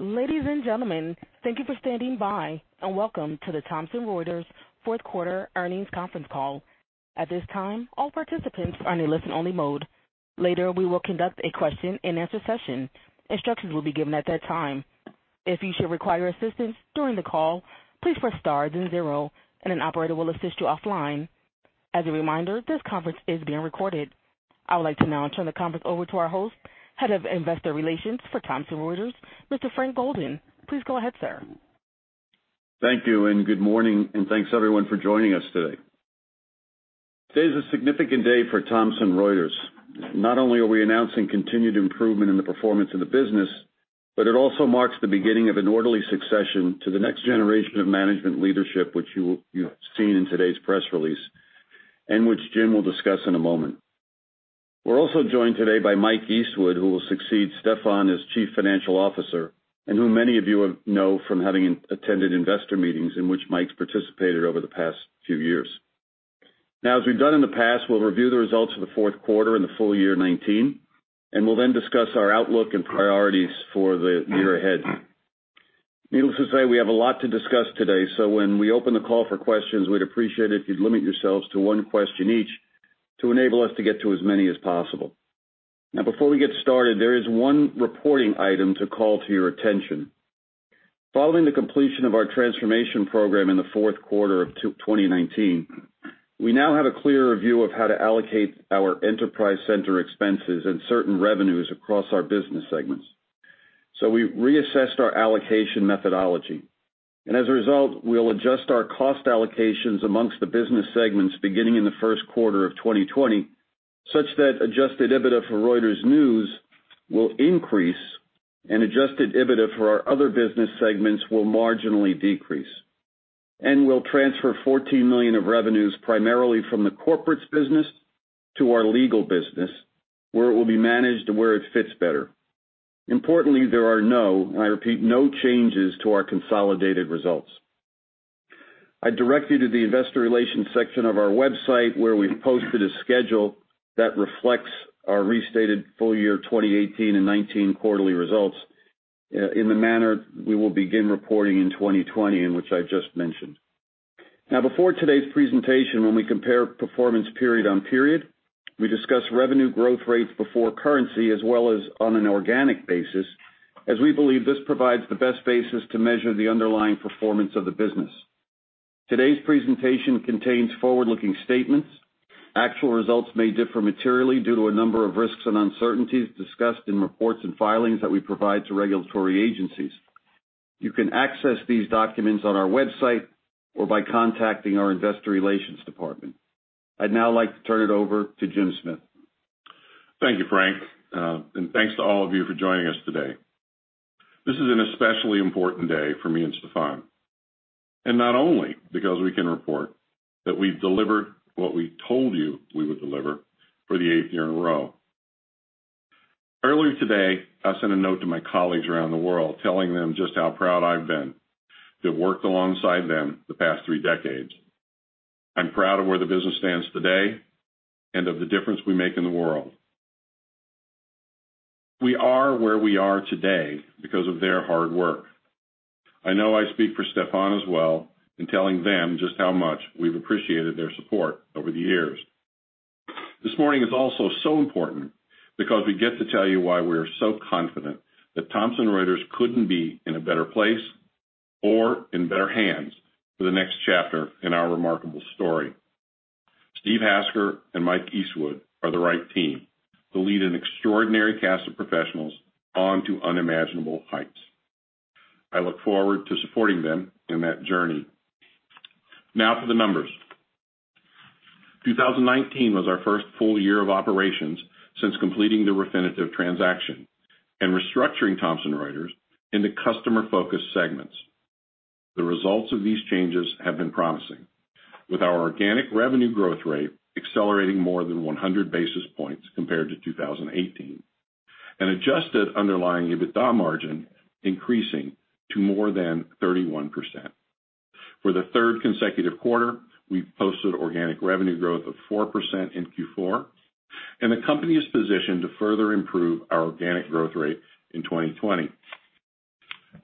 Ladies and gentlemen, thank you for standing by and welcome to the Thomson Reuters Fourth Quarter Earnings Conference Call. At this time, all participants are in a listen-only mode. Later, we will conduct a question and answer session. Instructions will be given at that time. If you should require assistance during the call, please press star then zero, and an operator will assist you offline. As a reminder, this conference is being recorded. I would like to now turn the conference over to our host, Head of Investor Relations for Thomson Reuters, Mr. Frank Golden. Please go ahead, sir. Thank you and good morning, and thanks everyone for joining us today. Today is a significant day for Thomson Reuters. Not only are we announcing continued improvement in the performance of the business, but it also marks the beginning of an orderly succession to the next generation of management leadership, which you've seen in today's press release and which Jim will discuss in a moment. We're also joined today by Mike Eastwood, who will succeed Stephane as Chief Financial Officer and who many of you know from having attended investor meetings in which Mike's participated over the past few years. Now, as we've done in the past, we'll review the results of the fourth quarter and the full year 2019, and we'll then discuss our outlook and priorities for the year ahead. Needless to say, we have a lot to discuss today, so when we open the call for questions, we'd appreciate it if you'd limit yourselves to one question each to enable us to get to as many as possible. Now, before we get started, there is one reporting item to call to your attention. Following the completion of our transformation program in the fourth quarter of 2019, we now have a clearer view of how to allocate our enterprise center expenses and certain revenues across our business segments. So we reassessed our allocation methodology and as a result, we'll adjust our cost allocations amongst the business segments beginning in the first quarter of 2020 such that Adjusted EBITDA for Reuters News will increase and Adjusted EBITDA for our other business segments will marginally decrease. We'll transfer $14 million of revenues primarily from the Corporate business to our Legal Business, where it will be managed to where it fits better. Importantly, there are no, and I repeat, no changes to our consolidated results. I direct you to the investor relations section of our website where we've posted a schedule that reflects our restated full year 2018 and 2019 quarterly results in the manner we will begin reporting in 2020, in which I just mentioned. Now, before today's presentation, when we compare performance period on period, we discuss revenue growth rates before currency as well as on an organic basis, as we believe this provides the best basis to measure the underlying performance of the business. Today's presentation contains forward-looking statements. Actual results may differ materially due to a number of risks and uncertainties discussed in reports and filings that we provide to regulatory agencies. You can access these documents on our website or by contacting our investor relations department. I'd now like to turn it over to Jim Smith. Thank you, Frank, and thanks to all of you for joining us today. This is an especially important day for me and Stephane, and not only because we can report that we've delivered what we told you we would deliver for the eighth year in a row. Earlier today, I sent a note to my colleagues around the world telling them just how proud I've been to have worked alongside them the past three decades. I'm proud of where the business stands today and of the difference we make in the world. We are where we are today because of their hard work. I know I speak for Stephane as well in telling them just how much we've appreciated their support over the years. This morning is also so important because we get to tell you why we're so confident that Thomson Reuters couldn't be in a better place or in better hands for the next chapter in our remarkable story. Steve Hasker and Mike Eastwood are the right team to lead an extraordinary cast of professionals onto unimaginable heights. I look forward to supporting them in that journey. Now for the numbers. 2019 was our first full year of operations since completing the Refinitiv transaction and restructuring Thomson Reuters into customer-focused segments. The results of these changes have been promising, with our organic revenue growth rate accelerating more than 100 basis points compared to 2018 and adjusted underlying EBITDA margin increasing to more than 31%. For the third consecutive quarter, we've posted organic revenue growth of 4% in Q4, and the company is positioned to further improve our organic growth rate in 2020.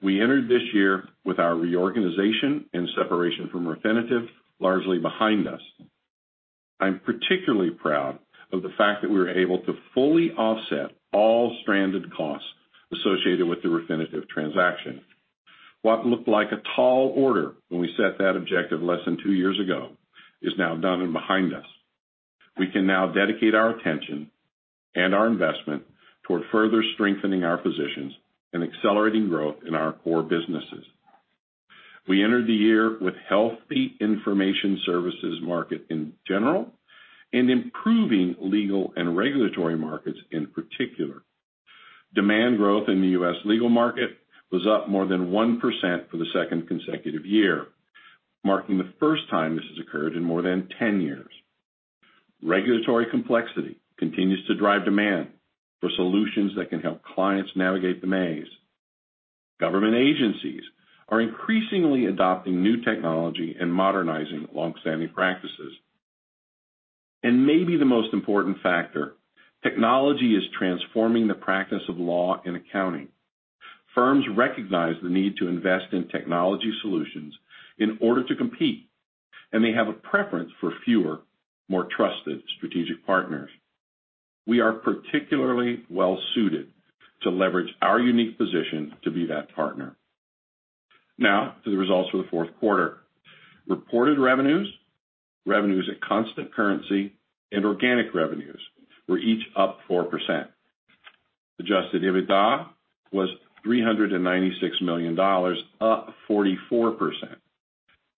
We entered this year with our reorganization and separation from Refinitiv largely behind us. I'm particularly proud of the fact that we were able to fully offset all stranded costs associated with the Refinitiv transaction. What looked like a tall order when we set that objective less than two years ago is now done and behind us. We can now dedicate our attention and our investment toward further strengthening our positions and accelerating growth in our core businesses. We entered the year with healthy information services market in general and improving Legal and regulatory markets in particular. Demand growth in the U.S. Legal market was up more than 1% for the second consecutive year, marking the first time this has occurred in more than 10 years. Regulatory complexity continues to drive demand for solutions that can help clients navigate the maze. Government agencies are increasingly adopting new technology and modernizing longstanding practices, and maybe the most important factor, technology is transforming the practice of law and accounting. Firms recognize the need to invest in technology solutions in order to compete, and they have a preference for fewer, more trusted strategic partners. We are particularly well-suited to leverage our unique position to be that partner. Now, to the results for the fourth quarter. Reported revenues, revenues at constant currency, and organic revenues were each up 4%. Adjusted EBITDA was $396 million, up 44%,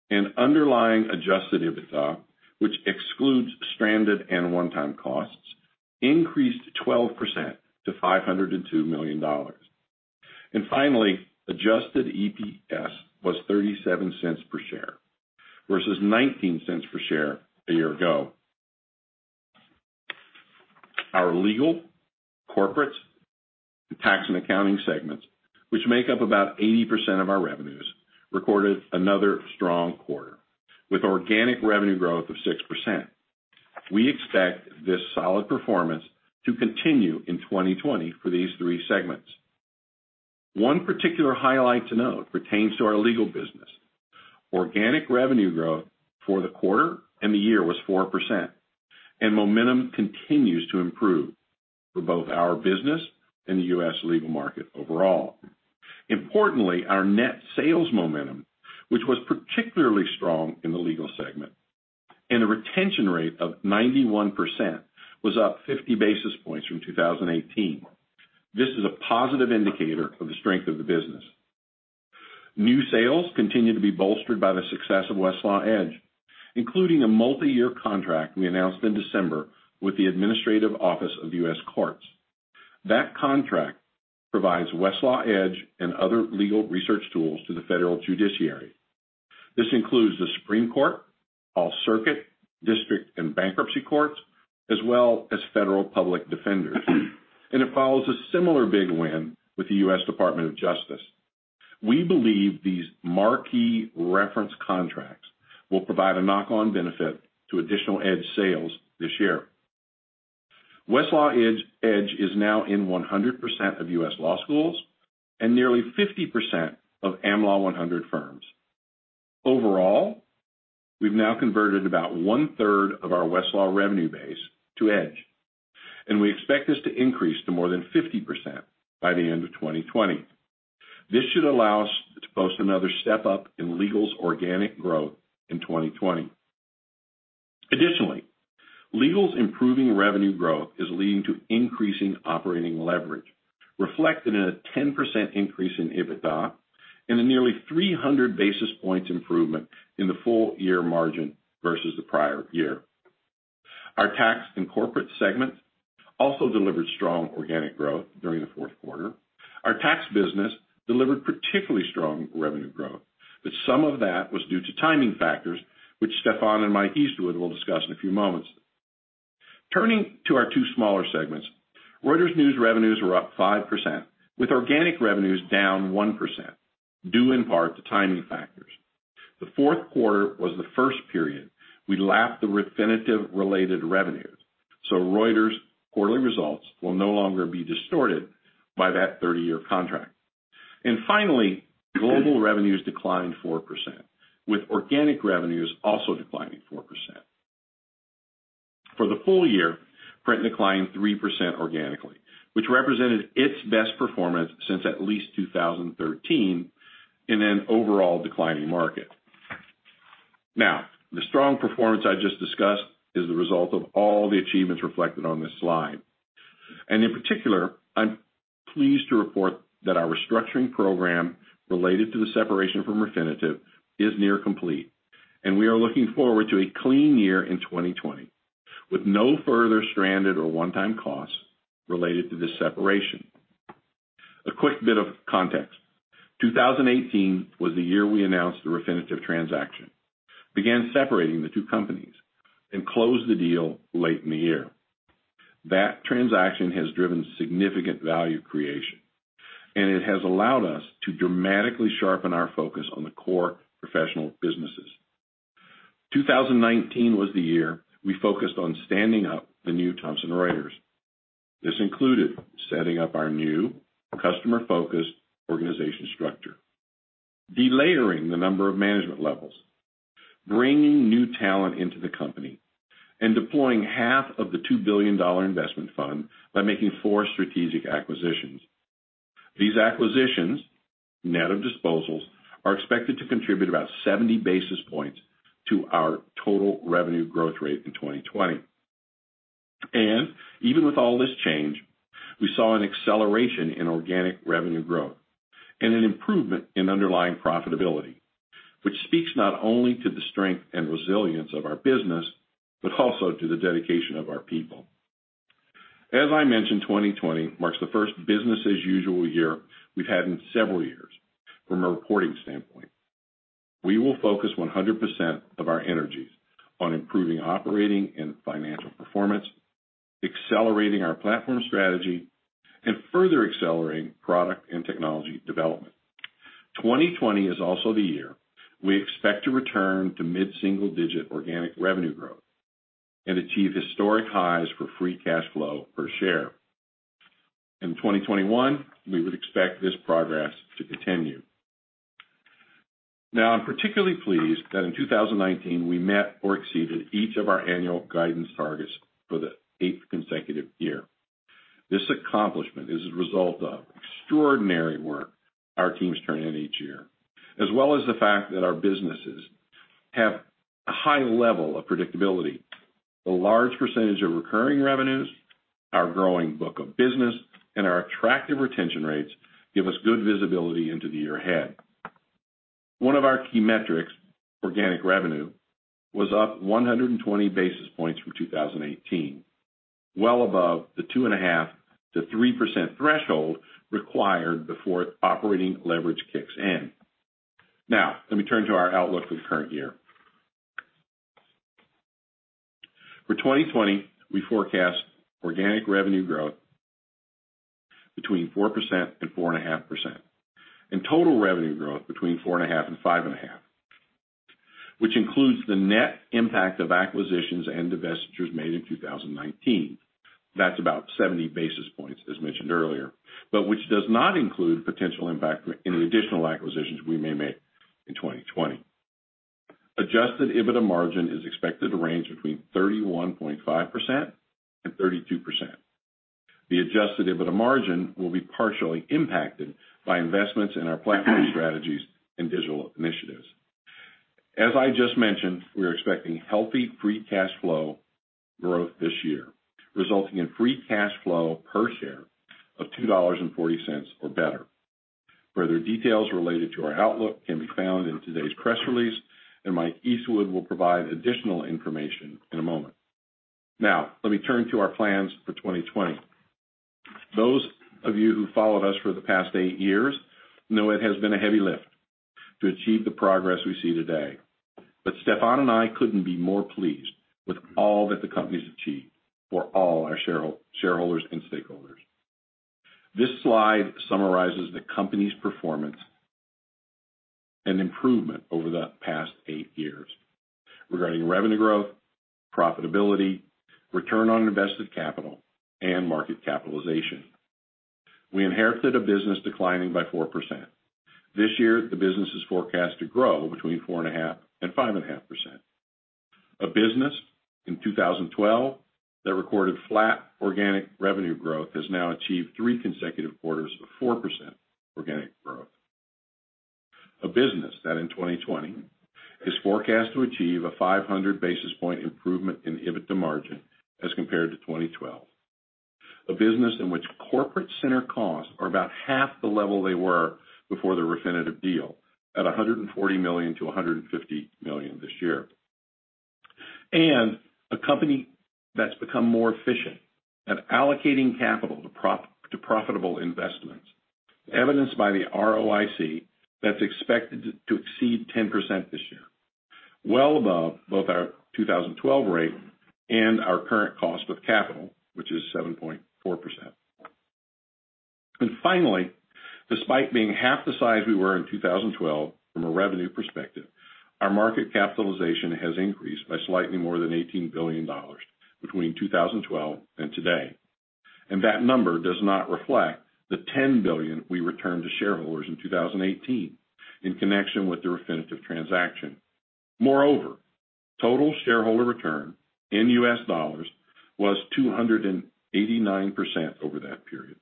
and underlying adjusted EBITDA, which excludes stranded and one-time costs, increased 12% to $502 million, and finally, Adjusted EPS was $0.37 per share versus $0.19 per share a year ago. Our Legal, Corporate, and Tax and Accounting segments, which make up about 80% of our revenues, recorded another strong quarter with organic revenue growth of 6%. We expect this solid performance to continue in 2020 for these three segments. One particular highlight to note pertains to our Legal Business. Organic revenue growth for the quarter and the year was 4%, and momentum continues to improve for both our business and the U.S. Legal market overall. Importantly, our net sales momentum, which was particularly strong in the Legal segment, and the retention rate of 91% was up 50 basis points from 2018. This is a positive indicator of the strength of the business. New sales continue to be bolstered by the success of Westlaw Edge, including a multi-year contract we announced in December with the Administrative Office of the U.S. Courts. That contract provides Westlaw Edge and other Legal research tools to the federal judiciary. This includes the Supreme Court, all circuit, district, and bankruptcy courts, as well as federal public defenders. And it follows a similar big win with the U.S. Department of Justice. We believe these marquee reference contracts will provide a knock-on benefit to additional Edge sales this year. Westlaw Edge is now in 100% of U.S. law schools and nearly 50% of Am Law 100 firms. Overall, we've now converted about one-third of our Westlaw revenue base to Edge, and we expect this to increase to more than 50% by the end of 2020. This should allow us to post another step up in Legal's organic growth in 2020. Additionally, Legal's improving revenue growth is leading to increasing operating leverage, reflected in a 10% increase in EBITDA and a nearly 300 basis points improvement in the full year margin versus the prior year. Our Tax and Corporate segment also delivered strong organic growth during the fourth quarter. Our Tax business delivered particularly strong revenue growth, but some of that was due to timing factors, which Stephane and Mike Eastwood will discuss in a few moments. Turning to our two smaller segments, Reuters News revenues were up 5%, with organic revenues down 1%, due in part to timing factors. The fourth quarter was the first period we lapped the Refinitiv-related revenues, so Reuters' quarterly results will no longer be distorted by that 30-year contract. And finally, Global Print revenues declined 4%, with organic revenues also declining 4%. For the full year, Global Print declined 3% organically, which represented its best performance since at least 2013 in an overall declining market. Now, the strong performance I just discussed is the result of all the achievements reflected on this slide. In particular, I'm pleased to report that our restructuring program related to the separation from Refinitiv is near complete, and we are looking forward to a clean year in 2020 with no further stranded or one-time costs related to this separation. A quick bit of context. 2018 was the year we announced the Refinitiv transaction, began separating the two companies, and closed the deal late in the year. That transaction has driven significant value creation, and it has allowed us to dramatically sharpen our focus on the core professional businesses. 2019 was the year we focused on standing up the new Thomson Reuters. This included setting up our new customer-focused organization structure, delayering the number of management levels, bringing new talent into the company, and deploying half of the $2 billion investment fund by making four strategic acquisitions. These acquisitions, net of disposals, are expected to contribute about 70 basis points to our total revenue growth rate in 2020, and even with all this change, we saw an acceleration in organic revenue growth and an improvement in underlying profitability, which speaks not only to the strength and resilience of our business but also to the dedication of our people. As I mentioned, 2020 marks the first business-as-usual year we've had in several years from a reporting standpoint. We will focus 100% of our energies on improving operating and financial performance, accelerating our platform strategy, and further accelerating product and technology development. 2020 is also the year we expect to return to mid-single-digit organic revenue growth and achieve historic highs for free cash flow per share. In 2021, we would expect this progress to continue. Now, I'm particularly pleased that in 2019, we met or exceeded each of our annual guidance targets for the eighth consecutive year. This accomplishment is a result of extraordinary work our teams turn in each year, as well as the fact that our businesses have a high level of predictability. The large percentage of recurring revenues, our growing book of business, and our attractive retention rates give us good visibility into the year ahead. One of our key metrics, organic revenue, was up 120 basis points from 2018, well above the 2.5%-3% threshold required before operating leverage kicks in. Now, let me turn to our outlook for the current year. For 2020, we forecast organic revenue growth between 4% and 4.5% and total revenue growth between 4.5% and 5.5%, which includes the net impact of acquisitions and divestitures made in 2019. That's about 70 basis points, as mentioned earlier, but which does not include potential impact in the additional acquisitions we may make in 2020. Adjusted EBITDA margin is expected to range between 31.5%-32%. The adjusted EBITDA margin will be partially impacted by investments in our platform strategies and digital initiatives. As I just mentioned, we're expecting healthy free cash flow growth this year, resulting in free cash flow per share of $2.40 or better. Further details related to our outlook can be found in today's press release, and Mike Eastwood will provide additional information in a moment. Now, let me turn to our plans for 2020. Those of you who followed us for the past eight years know it has been a heavy lift to achieve the progress we see today. Stephane and I couldn't be more pleased with all that the company's achieved for all our shareholders and stakeholders. This slide summarizes the company's performance and improvement over the past eight years regarding revenue growth, profitability, return on invested capital, and market capitalization. We inherited a business declining by 4%. This year, the business is forecast to grow between 4.5% and 5.5%. A business in 2012 that recorded flat organic revenue growth has now achieved three consecutive quarters of 4% organic growth. A business that in 2020 is forecast to achieve a 500 basis points improvement in EBITDA margin as compared to 2012. A business in which Corporate center costs are about half the level they were before the Refinitiv deal at $140 million-$150 million this year. And a company that's become more efficient at allocating capital to profitable investments, evidenced by the ROIC, that's expected to exceed 10% this year, well above both our 2012 rate and our current cost of capital, which is 7.4%. And finally, despite being half the size we were in 2012 from a revenue perspective, our market capitalization has increased by slightly more than $18 billion between 2012 and today. And that number does not reflect the $10 billion we returned to shareholders in 2018 in connection with the Refinitiv transaction. Moreover, total shareholder return in US dollars was 289% over that period,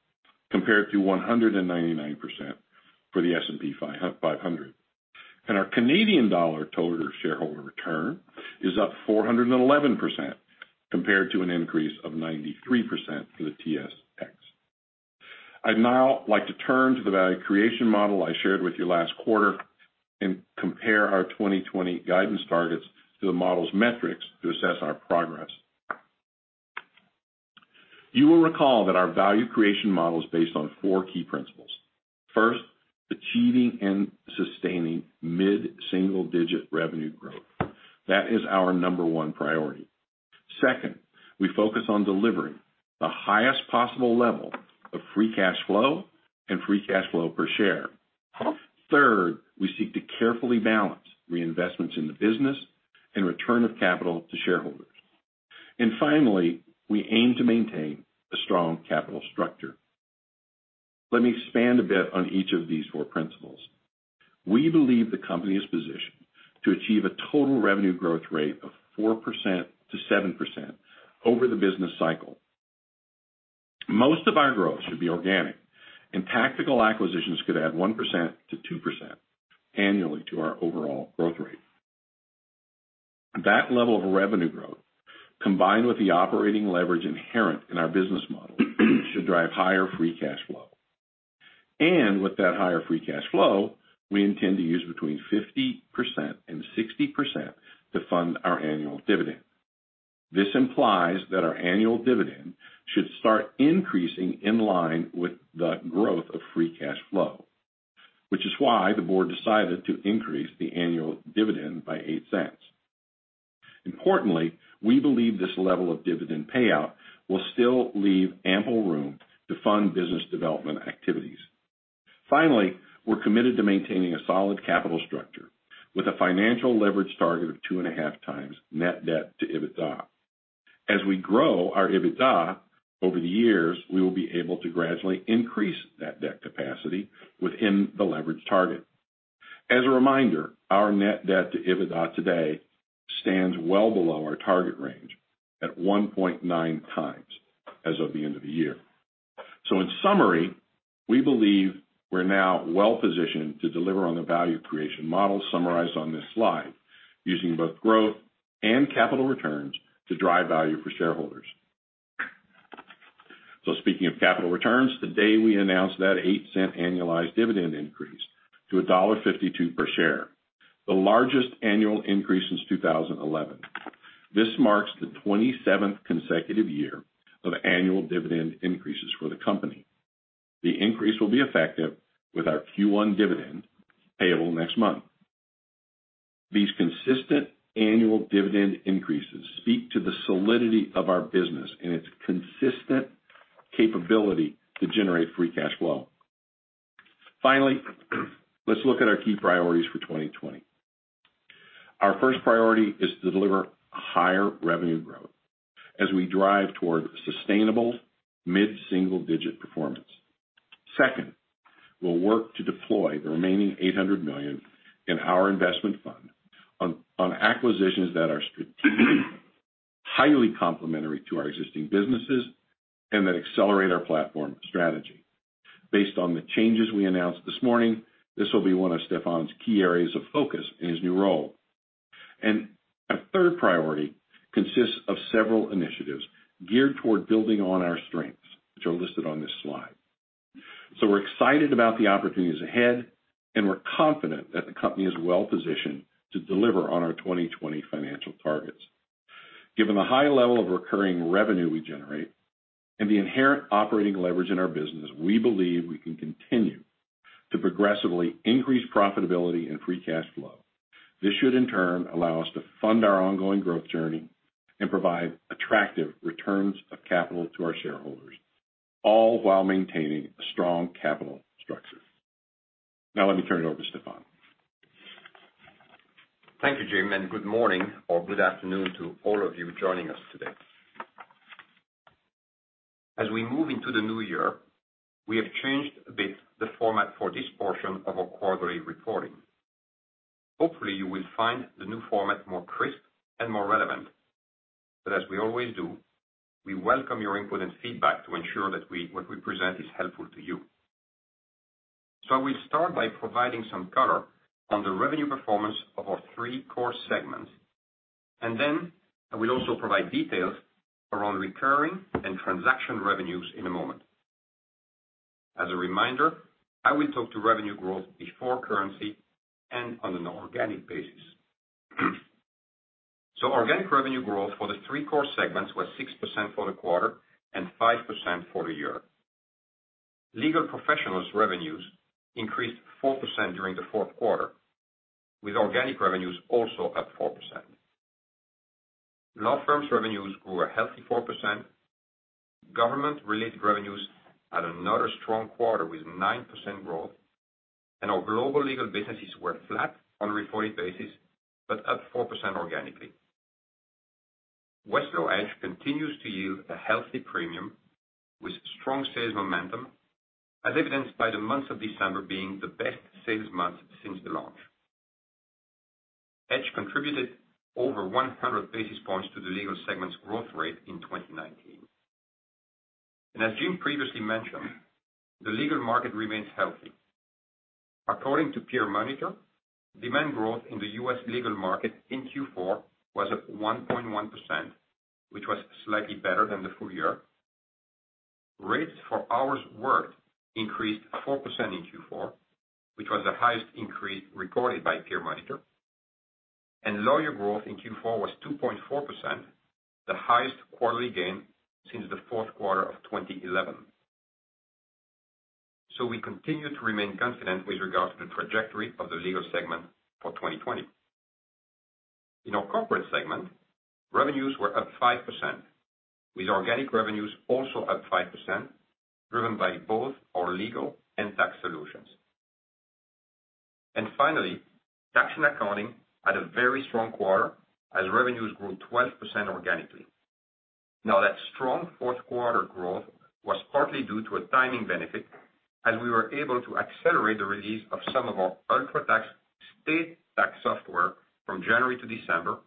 compared to 199% for the S&P 500. And our Canadian dollar total shareholder return is up 411% compared to an increase of 93% for the TSX. I'd now like to turn to the value creation model I shared with you last quarter and compare our 2020 guidance targets to the model's metrics to assess our progress. You will recall that our value creation model is based on four key principles. First, achieving and sustaining mid-single-digit revenue growth. That is our number one priority. Second, we focus on delivering the highest possible level of free cash flow and free cash flow per share. Third, we seek to carefully balance reinvestments in the business and return of capital to shareholders. And finally, we aim to maintain a strong capital structure. Let me expand a bit on each of these four principles. We believe the company is positioned to achieve a total revenue growth rate of 4%-7% over the business cycle. Most of our growth should be organic, and tactical acquisitions could add 1%-2% annually to our overall growth rate. That level of revenue growth, combined with the operating leverage inherent in our business model, should drive higher free cash flow. And with that higher free cash flow, we intend to use between 50% and 60% to fund our annual dividend. This implies that our annual dividend should start increasing in line with the growth of free cash flow, which is why the Board decided to increase the annual dividend by $0.08. Importantly, we believe this level of dividend payout will still leave ample room to fund business development activities. Finally, we're committed to maintaining a solid capital structure with a financial leverage target of 2.5x net debt to EBITDA. As we grow our EBITDA over the years, we will be able to gradually increase that debt capacity within the leverage target. As a reminder, our Net Debt to EBITDA today stands well below our target range at 1.9x as of the end of the year. So in summary, we believe we're now well positioned to deliver on the value creation model summarized on this slide using both growth and capital returns to drive value for shareholders. So speaking of capital returns, today we announced that $0.08 annualized dividend increase to $1.52 per share, the largest annual increase since 2011. This marks the 27th consecutive year of annual dividend increases for the company. The increase will be effective with our Q1 dividend payable next month. These consistent annual dividend increases speak to the solidity of our business and its consistent capability to generate free cash flow. Finally, let's look at our key priorities for 2020. Our first priority is to deliver higher revenue growth as we drive toward sustainable mid-single-digit performance. Second, we'll work to deploy the remaining $800 million in our investment fund on acquisitions that are strategically highly complementary to our existing businesses and that accelerate our platform strategy. Based on the changes we announced this morning, this will be one of Stephane's key areas of focus in his new role. And our third priority consists of several initiatives geared toward building on our strengths, which are listed on this slide. So we're excited about the opportunities ahead, and we're confident that the company is well positioned to deliver on our 2020 financial targets. Given the high level of recurring revenue we generate and the inherent operating leverage in our business, we believe we can continue to progressively increase profitability and free cash flow. This should, in turn, allow us to fund our ongoing growth journey and provide attractive returns of capital to our shareholders, all while maintaining a strong capital structure. Now, let me turn it over to Stephane. Thank you, Jim, and good morning or good afternoon to all of you joining us today. As we move into the new year, we have changed a bit the format for this portion of our quarterly reporting. Hopefully, you will find the new format more crisp and more relevant. But as we always do, we welcome your input and feedback to ensure that what we present is helpful to you. So I will start by providing some color on the revenue performance of our three core segments, and then I will also provide details around recurring and transaction revenues in a moment. As a reminder, I will talk to revenue growth before currency and on an organic basis. So organic revenue growth for the three core segments was 6% for the quarter and 5% for the year. Legal Professionals' revenues increased 4% during the fourth quarter, with organic revenues also up 4%. Law firms' revenues grew a healthy 4%. Government-related revenues had another strong quarter with 9% growth, and our global Legal Businesses were flat on a reporting basis but up 4% organically. Westlaw Edge continues to yield a healthy premium with strong sales momentum, as evidenced by the month of December being the best sales month since the launch. Edge contributed over 100 basis points to the Legal segment's growth rate in 2019. And as Jim previously mentioned, the Legal market remains healthy. According to Peer Monitor, demand growth in the U.S. Legal market in Q4 was at 1.1%, which was slightly better than the full year. Rates for hours worked increased 4% in Q4, which was the highest increase recorded by Peer Monitor. And lawyer growth in Q4 was 2.4%, the highest quarterly gain since the fourth quarter of 2011. So we continue to remain confident with regard to the trajectory of the Legal segment for 2020. In our Corporate segment, revenues were up 5%, with organic revenues also up 5%, driven by both our Legal and tax solutions. And finally, Tax and Accounting had a very strong quarter as revenues grew 12% organically. Now, that strong fourth quarter growth was partly due to a timing benefit, as we were able to accelerate the release of some of our UltraTax state tax software from January to December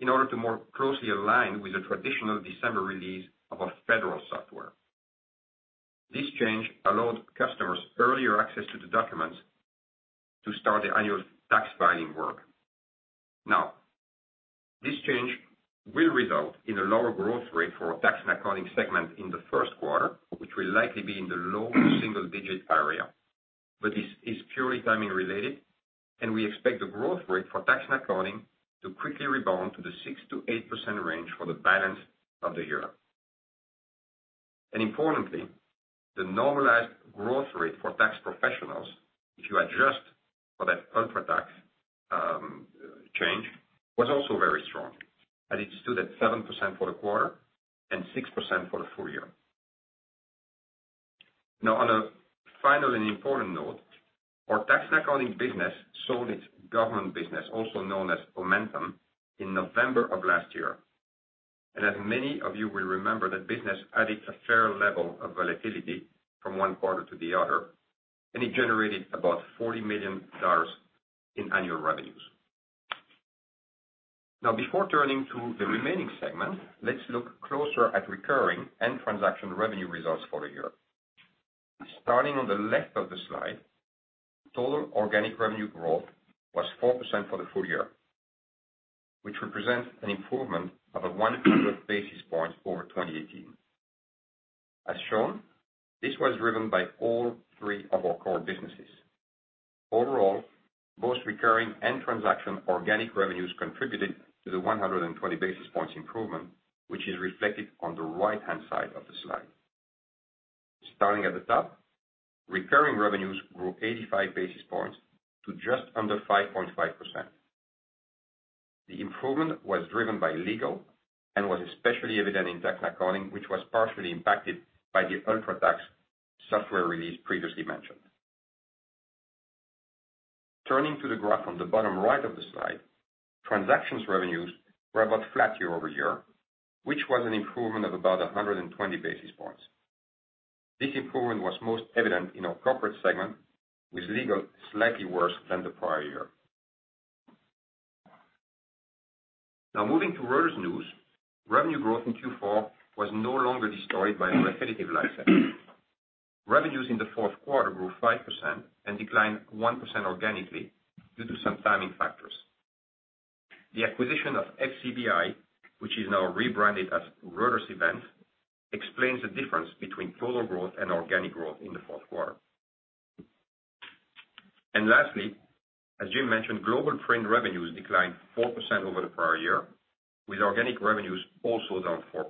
in order to more closely align with the traditional December release of our federal software. This change allowed customers earlier access to the documents to start the annual tax filing work. Now, this change will result in a lower growth rate for our Tax and Accounting segment in the first quarter, which will likely be in the low single-digit area. But this is purely timing-related, and we expect the growth rate for Tax and Accounting to quickly rebound to the 6%-8% range for the balance of the year. Importantly, the normalized growth rate for tax Professionals, if you adjust for that UltraTax change, was also very strong, as it stood at 7% for the quarter and 6% for the full year. Now, on a final and important note, our Tax and Accounting business sold its government business, also known as Aumentum, in November of last year. And as many of you will remember, that business added a fair level of volatility from one quarter to the other, and it generated about $40 million in annual revenues. Now, before turning to the remaining segment, let's look closer at recurring and transaction revenue results for the year. Starting on the left of the slide, total organic revenue growth was 4% for the full year, which represents an improvement of 100 basis points over 2018. As shown, this was driven by all three of our core businesses. Overall, both recurring and transaction organic revenues contributed to the 120 basis points improvement, which is reflected on the right-hand side of the slide. Starting at the top, recurring revenues grew 85 basis points to just under 5.5%. The improvement was driven by Legal and was especially evident in Tax and Accounting, which was partially impacted by the UltraTax software release previously mentioned. Turning to the graph on the bottom right of the slide, transactions revenues were about flat year-over-year, which was an improvement of about 120 basis points. This improvement was most evident in our Corporate segment, with Legal slightly worse than the prior year. Now, moving to Reuters News, revenue growth in Q4 was no longer destroyed by the Refinitiv license. Revenues in the fourth quarter grew 5% and declined 1% organically due to some timing factors. The acquisition of FCBI, which is now rebranded as Reuters Events, explains the difference between total growth and organic growth in the fourth quarter, and lastly, as Jim mentioned, Global Print revenues declined 4% over the prior year, with organic revenues also down 4%.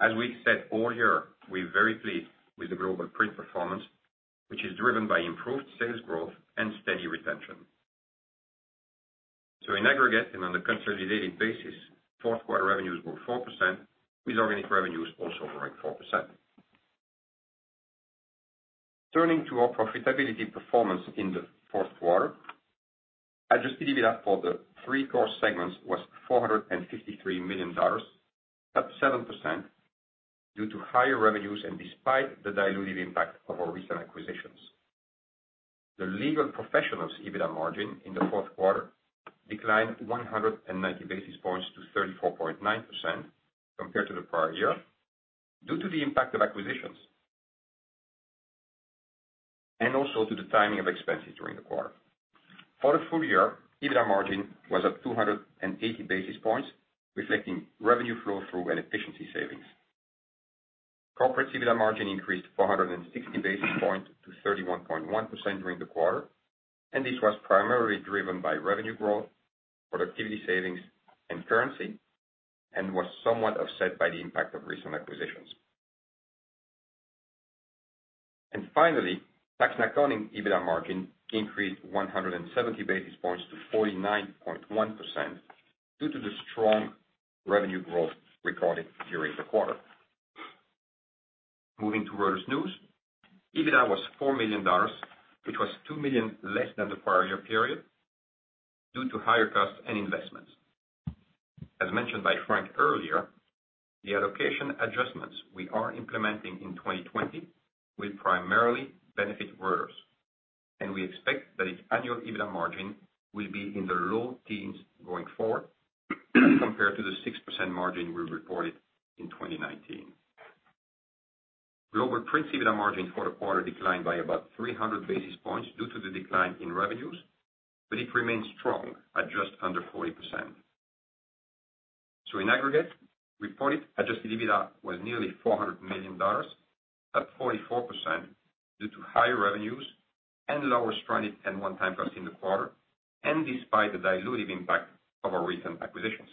As we've said all year, we're very pleased with the Global Print performance, which is driven by improved sales growth and steady retention, so in aggregate and on a consolidated basis, fourth quarter revenues grew 4%, with organic revenues also growing 4%. Turning to our profitability performance in the fourth quarter, Adjusted EBITDA for the three core segments was $453 million, up 7% due to higher revenues and despite the diluted impact of our recent acquisitions. The Legal Professionals' EBITDA margin in the fourth quarter declined 190 basis points to 34.9% compared to the prior year due to the impact of acquisitions and also to the timing of expenses during the quarter. For the full year, EBITDA margin was at 280 basis points, reflecting revenue flow-through and efficiency savings. Corporate EBITDA margin increased 460 basis points to 31.1% during the quarter, and this was primarily driven by revenue growth, productivity savings, and currency, and was somewhat offset by the impact of recent acquisitions. And finally, Tax and Accounting EBITDA margin increased 170 basis points to 49.1% due to the strong revenue growth recorded during the quarter. Moving to Reuters News, EBITDA was $4 million, which was $2 million less than the prior year period due to higher costs and investments. As mentioned by Frank earlier, the allocation adjustments we are implementing in 2020 will primarily benefit Reuters, and we expect that its annual EBITDA margin will be in the low teens going forward compared to the 6% margin we reported in 2019. Global Print EBITDA margin for the quarter declined by about 300 basis points due to the decline in revenues, but it remained strong at just under 40%. So in aggregate, reported adjusted EBITDA was nearly $400 million, up 44% due to higher revenues and lower stranded and one-time costs in the quarter, and despite the diluted impact of our recent acquisitions.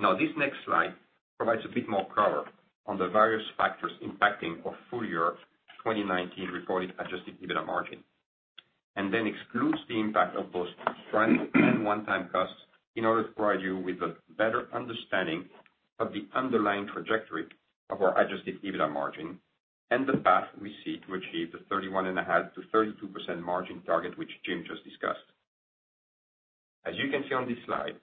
Now, this next slide provides a bit more color on the various factors impacting our full year 2019 reported adjusted EBITDA margin and then excludes the impact of both stranded and one-time costs in order to provide you with a better understanding of the underlying trajectory of our adjusted EBITDA margin and the path we see to achieve the 31.5%-32% margin target, which Jim just discussed. As you can see on this slide,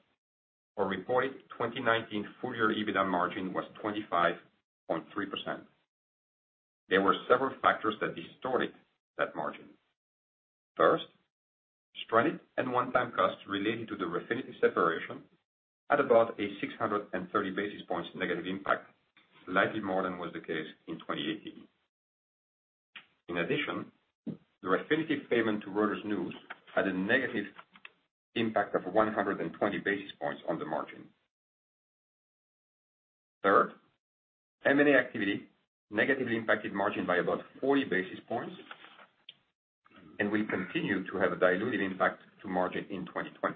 our reported 2019 full year EBITDA margin was 25.3%. There were several factors that distorted that margin. First, stranded and one-time costs related to the Refinitiv separation had about a 630 basis points negative impact, slightly more than was the case in 2018. In addition, the Refinitiv payment to Reuters News had a negative impact of 120 basis points on the margin. Third, M&A activity negatively impacted margin by about 40 basis points and will continue to have a diluted impact to margin in 2020.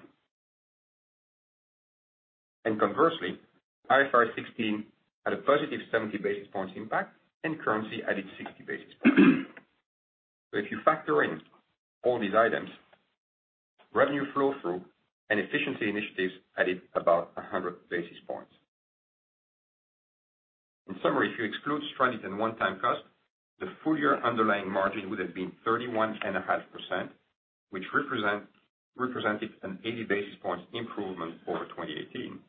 And conversely, IFRS 16 had a positive 70 basis points impact and currency added 60 basis points. So if you factor in all these items, revenue flow-through and efficiency initiatives added about 100 basis points. In summary, if you exclude stranded and one-time cost, the full year underlying margin would have been 31.5%, which represented an 80 basis points improvement over 2018.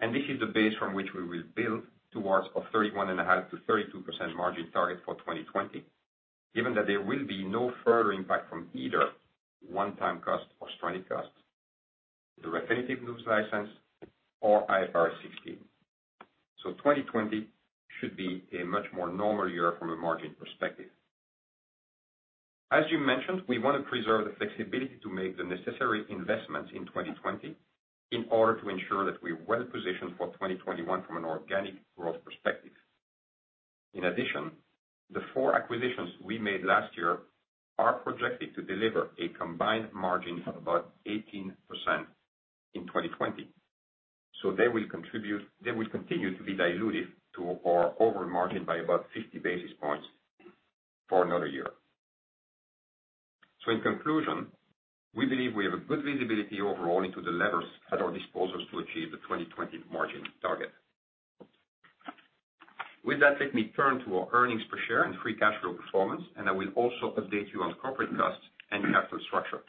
And this is the base from which we will build towards a 31.5%-32% margin target for 2020, given that there will be no further impact from either one-time cost or stranded cost, the Refinitiv news license, or IFRS 16. So 2020 should be a much more normal year from a margin perspective. As Jim mentioned, we want to preserve the flexibility to make the necessary investments in 2020 in order to ensure that we're well positioned for 2021 from an organic growth perspective. In addition, the four acquisitions we made last year are projected to deliver a combined margin of about 18% in 2020. So they will continue to be diluted to our overall margin by about 50 basis points for another year. So in conclusion, we believe we have a good visibility overall into the levers at our disposal to achieve the 2020 margin target. With that, let me turn to our earnings per share and free cash flow performance, and I will also update you on Corporate costs and capital structure.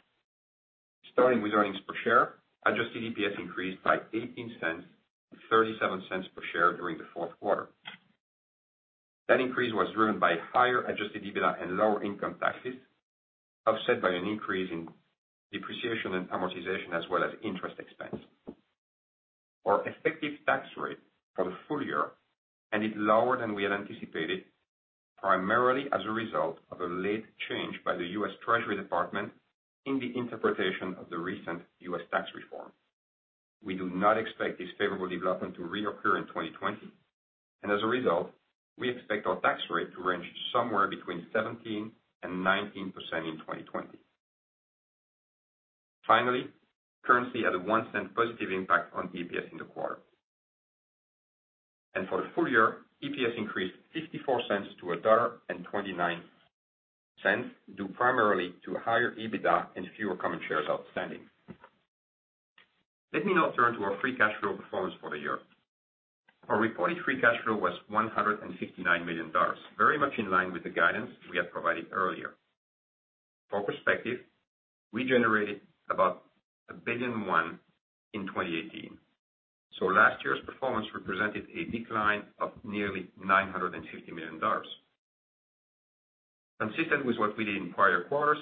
Starting with earnings per share, adjusted EPS increased by $0.18 and $0.37 per share during the fourth quarter. That increase was driven by higher adjusted EBITDA and lower income taxes, offset by an increase in depreciation and amortization, as well as interest expense. Our effective tax rate for the full year ended lower than we had anticipated, primarily as a result of a late change by the U.S. Treasury Department in the interpretation of the recent U.S. tax reform. We do not expect this favorable development to reoccur in 2020, and as a result, we expect our tax rate to range somewhere between 17%-19% in 2020. Finally, currency had a $0.01 positive impact on EPS in the quarter, and for the full year, EPS increased 54 cents to $1.29 due primarily to higher EBITDA and fewer common shares outstanding. Let me now turn to our free cash flow performance for the year. Our reported free cash flow was $159 million, very much in line with the guidance we had provided earlier. For perspective, we generated about $1 billion in 2018. So last year's performance represented a decline of nearly $950 million. Consistent with what we did in prior quarters,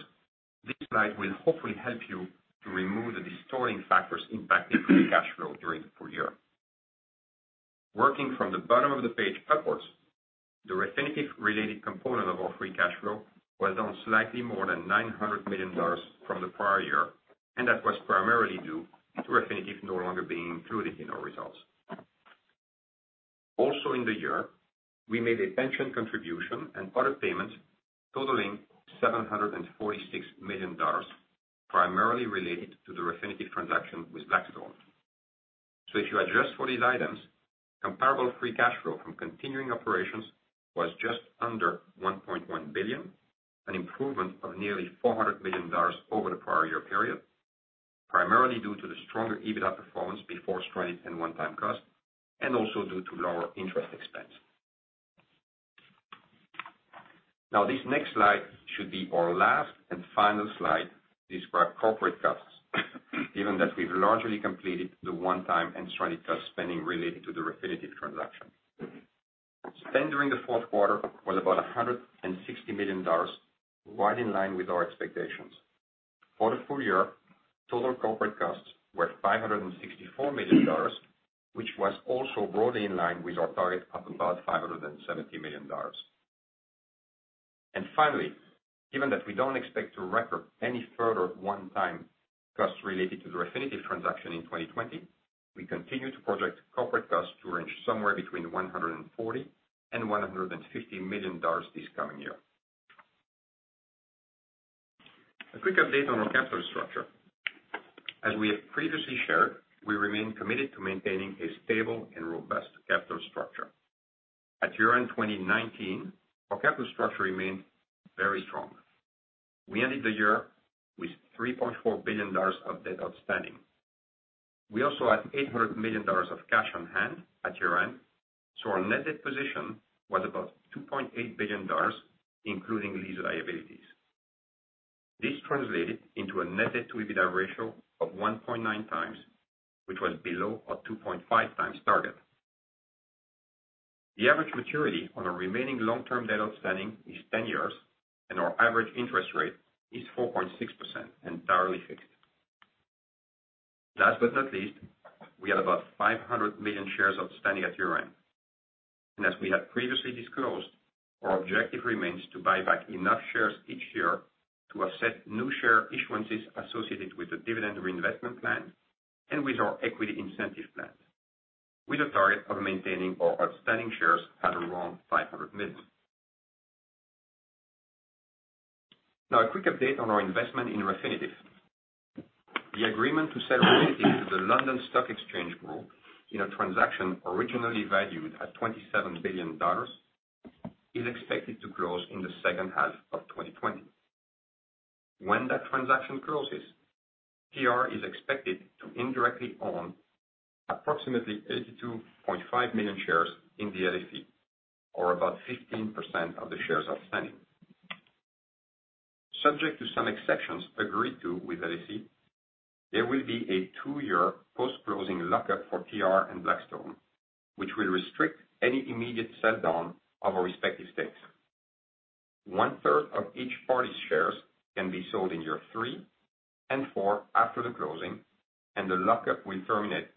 this slide will hopefully help you to remove the distorting factors impacting free cash flow during the full year. Working from the bottom of the page upwards, the Refinitiv-related component of our free cash flow was down slightly more than $900 million from the prior year, and that was primarily due to Refinitiv no longer being included in our results. Also in the year, we made a pension contribution and other payments totaling $746 million, primarily related to the Refinitiv transaction with Blackstone. So if you adjust for these items, comparable free cash flow from continuing operations was just under $1.1 billion, an improvement of nearly $400 million over the prior year period, primarily due to the stronger EBITDA performance before stranded and one-time costs, and also due to lower interest expense. Now, this next slide should be our last and final slide to describe Corporate costs, given that we've largely completed the one-time and stranded cost spending related to the Refinitiv transaction. Spend during the fourth quarter was about $160 million, right in line with our expectations. For the full year, total Corporate costs were $564 million, which was also broadly in line with our target of about $570 million. Finally, given that we don't expect to record any further one-time costs related to the Refinitiv transaction in 2020, we continue to project Corporate costs to range somewhere between $140 and $150 million this coming year. A quick update on our capital structure. As we have previously shared, we remain committed to maintaining a stable and robust capital structure. At year-end 2019, our capital structure remained very strong. We ended the year with $3.4 billion of debt outstanding. We also had $800 million of cash on hand at year-end, so our net debt position was about $2.8 billion, including lease liabilities. This translated into a net debt-to-EBITDA ratio of 1.9x, which was below our 2.5x target. The average maturity on our remaining long-term debt outstanding is 10 years, and our average interest rate is 4.6% and entirely fixed. Last but not least, we had about 500 million shares outstanding at year-end, and as we had previously disclosed, our objective remains to buy back enough shares each year to offset new share issuances associated with the dividend reinvestment plan and with our equity incentive plan, with a target of maintaining our outstanding shares at around 500 million. Now, a quick update on our investment in Refinitiv. The agreement to sell Refinitiv to the London Stock Exchange Group in a transaction originally valued at $27 billion is expected to close in the second half of 2020. When that transaction closes, TR is expected to indirectly own approximately 82.5 million shares in the LSE, or about 15% of the shares outstanding. Subject to some exceptions agreed to with LSE, there will be a two-year post-closing lockup for TR and Blackstone, which will restrict any immediate sell down of our respective stakes. One-third of each party's shares can be sold in year three and four after the closing, and the lockup will terminate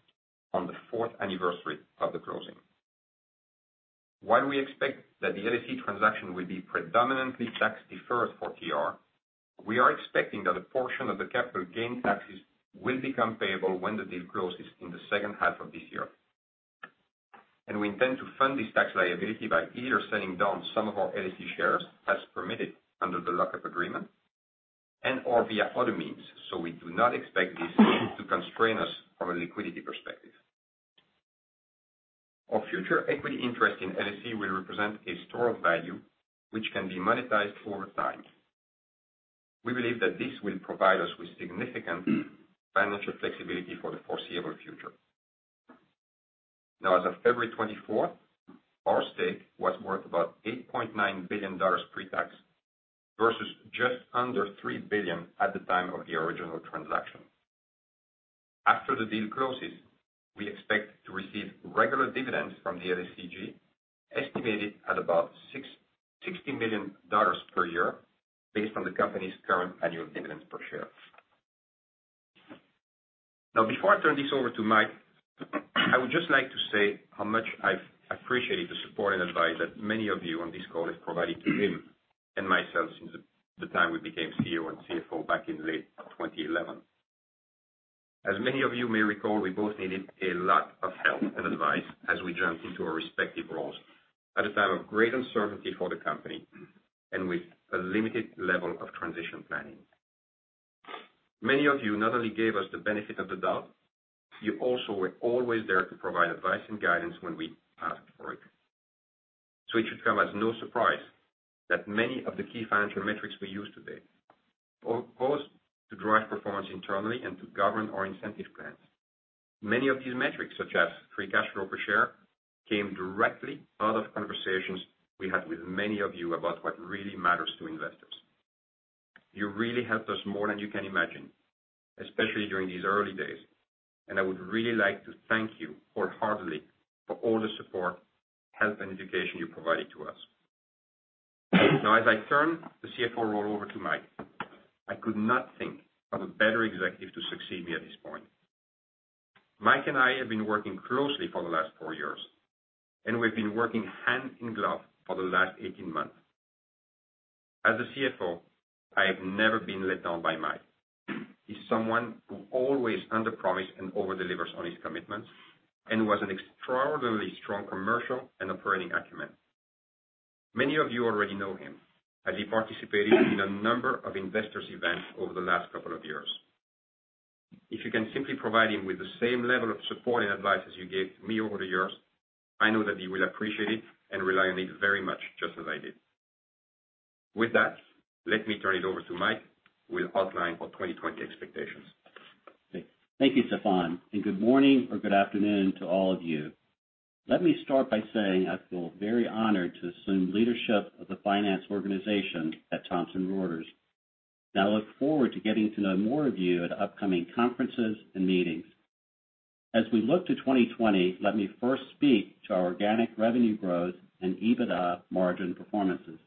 on the fourth anniversary of the closing. While we expect that the LSE transaction will be predominantly tax-deferred for TR, we are expecting that a portion of the capital gain taxes will become payable when the deal closes in the second half of this year, and we intend to fund this tax liability by either selling down some of our LSE shares as permitted under the lockup agreement and/or via other means, so we do not expect this to constrain us from a liquidity perspective. Our future equity interest in LSE will represent a stored value, which can be monetized over time. We believe that this will provide us with significant financial flexibility for the foreseeable future. Now, as of February 24th, our stake was worth about $8.9 billion pre-tax versus just under $3 billion at the time of the original transaction. After the deal closes, we expect to receive regular dividends from the LSEG, estimated at about $60 million per year, based on the company's current annual dividends per share. Now, before I turn this over to Mike, I would just like to say how much I've appreciated the support and advice that many of you on this call have provided to him and myself since the time we became CEO and CFO back in late 2011. As many of you may recall, we both needed a lot of help and advice as we jumped into our respective roles at a time of great uncertainty for the company and with a limited level of transition planning. Many of you not only gave us the benefit of the doubt, you also were always there to provide advice and guidance when we asked for it. So it should come as no surprise that many of the key financial metrics we use today are all to drive performance internally and to govern our incentive plans. Many of these metrics, such as free cash flow per share, came directly out of conversations we had with many of you about what really matters to investors. You really helped us more than you can imagine, especially during these early days, and I would really like to thank you wholeheartedly for all the support, help, and education you provided to us. Now, as I turn the CFO role over to Mike, I could not think of a better executive to succeed me at this point. Mike and I have been working closely for the last four years, and we've been working hand in glove for the last 18 months. As the CFO, I have never been let down by Mike. He's someone who always underpromises and overdelivers on his commitments and was an extraordinarily strong commercial and operating acumen. Many of you already know him as he participated in a number of investors' events over the last couple of years. If you can simply provide him with the same level of support and advice as you gave to me over the years, I know that he will appreciate it and rely on it very much, just as I did. With that, let me turn it over to Mike who will outline our 2020 expectations. Thank you, Stephane. Good morning or good afternoon to all of you. Let me start by saying I feel very honored to assume leadership of the finance organization at Thomson Reuters. Now, I look forward to getting to know more of you at upcoming conferences and meetings. As we look to 2020, let me first speak to our organic revenue growth and EBITDA margin performances.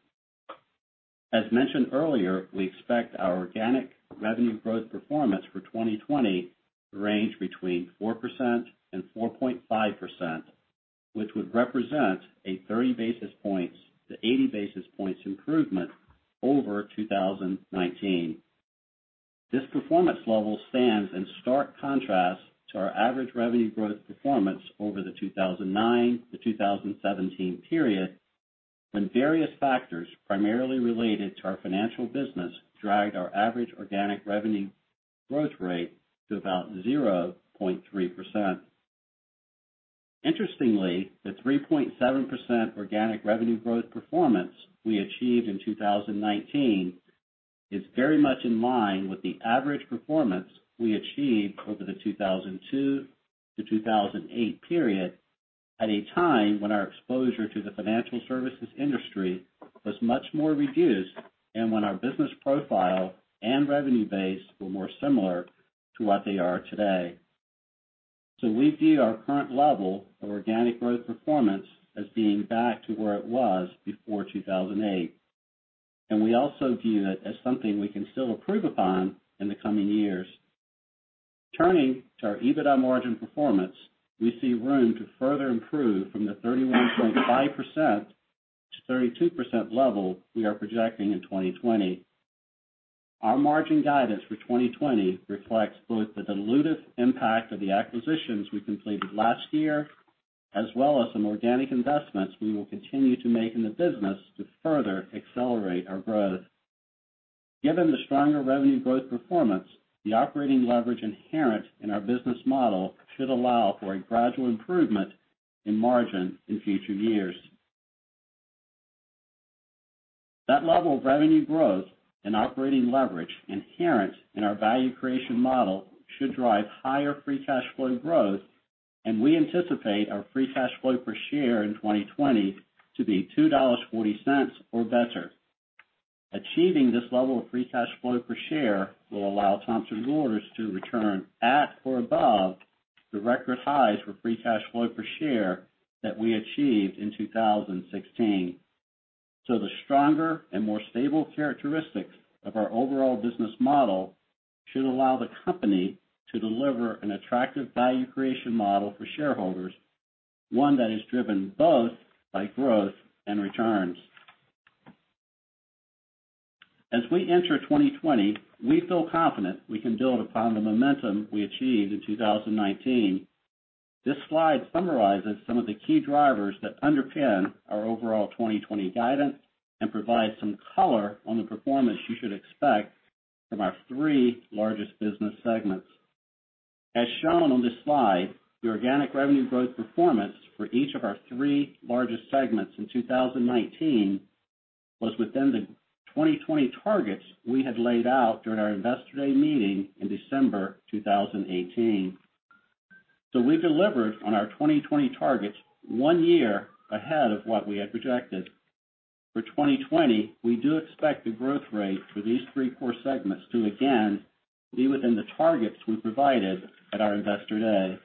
As mentioned earlier, we expect our organic revenue growth performance for 2020 to range between 4% and 4.5%, which would represent a 30 basis points to 80 basis points improvement over 2019. This performance level stands in stark contrast to our average revenue growth performance over the 2009-2017 period, when various factors primarily related to our financial business dragged our average organic revenue growth rate to about 0.3%. Interestingly, the 3.7% organic revenue growth performance we achieved in 2019 is very much in line with the average performance we achieved over the 2002-2008 period, at a time when our exposure to the financial services industry was much more reduced and when our business profile and revenue base were more similar to what they are today. So we view our current level of organic growth performance as being back to where it was before 2008, and we also view it as something we can still improve upon in the coming years. Turning to our EBITDA margin performance, we see room to further improve from the 31.5%-32% level we are projecting in 2020. Our margin guidance for 2020 reflects both the dilutive impact of the acquisitions we completed last year, as well as some organic investments we will continue to make in the business to further accelerate our growth. Given the stronger revenue growth performance, the operating leverage inherent in our business model should allow for a gradual improvement in margin in future years. That level of revenue growth and operating leverage inherent in our value creation model should drive higher free cash flow growth, and we anticipate our free cash flow per share in 2020 to be $2.40 or better. Achieving this level of free cash flow per share will allow Thomson Reuters to return at or above the record highs for free cash flow per share that we achieved in 2016. So the stronger and more stable characteristics of our overall business model should allow the company to deliver an attractive value creation model for shareholders, one that is driven both by growth and returns. As we enter 2020, we feel confident we can build upon the momentum we achieved in 2019. This slide summarizes some of the key drivers that underpin our overall 2020 guidance and provide some color on the performance you should expect from our three largest business segments. As shown on this slide, the organic revenue growth performance for each of our three largest segments in 2019 was within the 2020 targets we had laid out during our investor day meeting in December 2018. So we delivered on our 2020 targets one year ahead of what we had projected. For 2020, we do expect the growth rate for these three core segments to, again, be within the targets we provided at our investor day.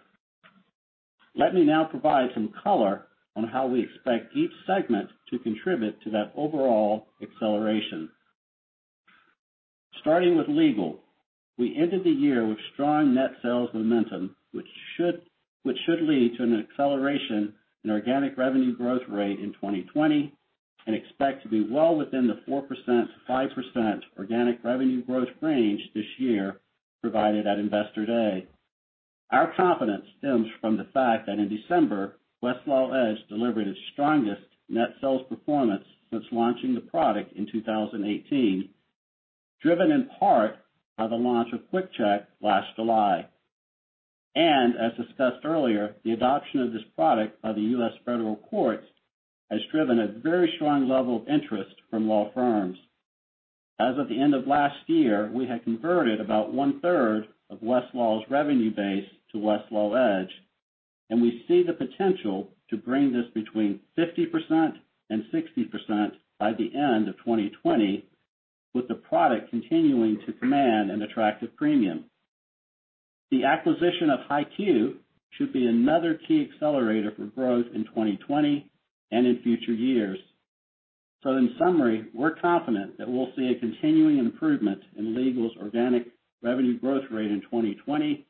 Let me now provide some color on how we expect each segment to contribute to that overall acceleration. Starting with Legal, we ended the year with strong net sales momentum, which should lead to an acceleration in organic revenue growth rate in 2020, and expect to be well within the 4%-5% organic revenue growth range this year provided at investor day. Our confidence stems from the fact that in December, Westlaw Edge delivered its strongest net sales performance since launching the product in 2018, driven in part by the launch of Quick Check last July, and as discussed earlier, the adoption of this product by the U.S. federal courts has driven a very strong level of interest from law firms. As of the end of last year, we had converted about one-third of Westlaw's revenue base to Westlaw Edge, and we see the potential to bring this between 50% and 60% by the end of 2020, with the product continuing to command an attractive premium. The acquisition of HighQ should be another key accelerator for growth in 2020 and in future years. So in summary, we're confident that we'll see a continuing improvement in Legal's organic revenue growth rate in 2020,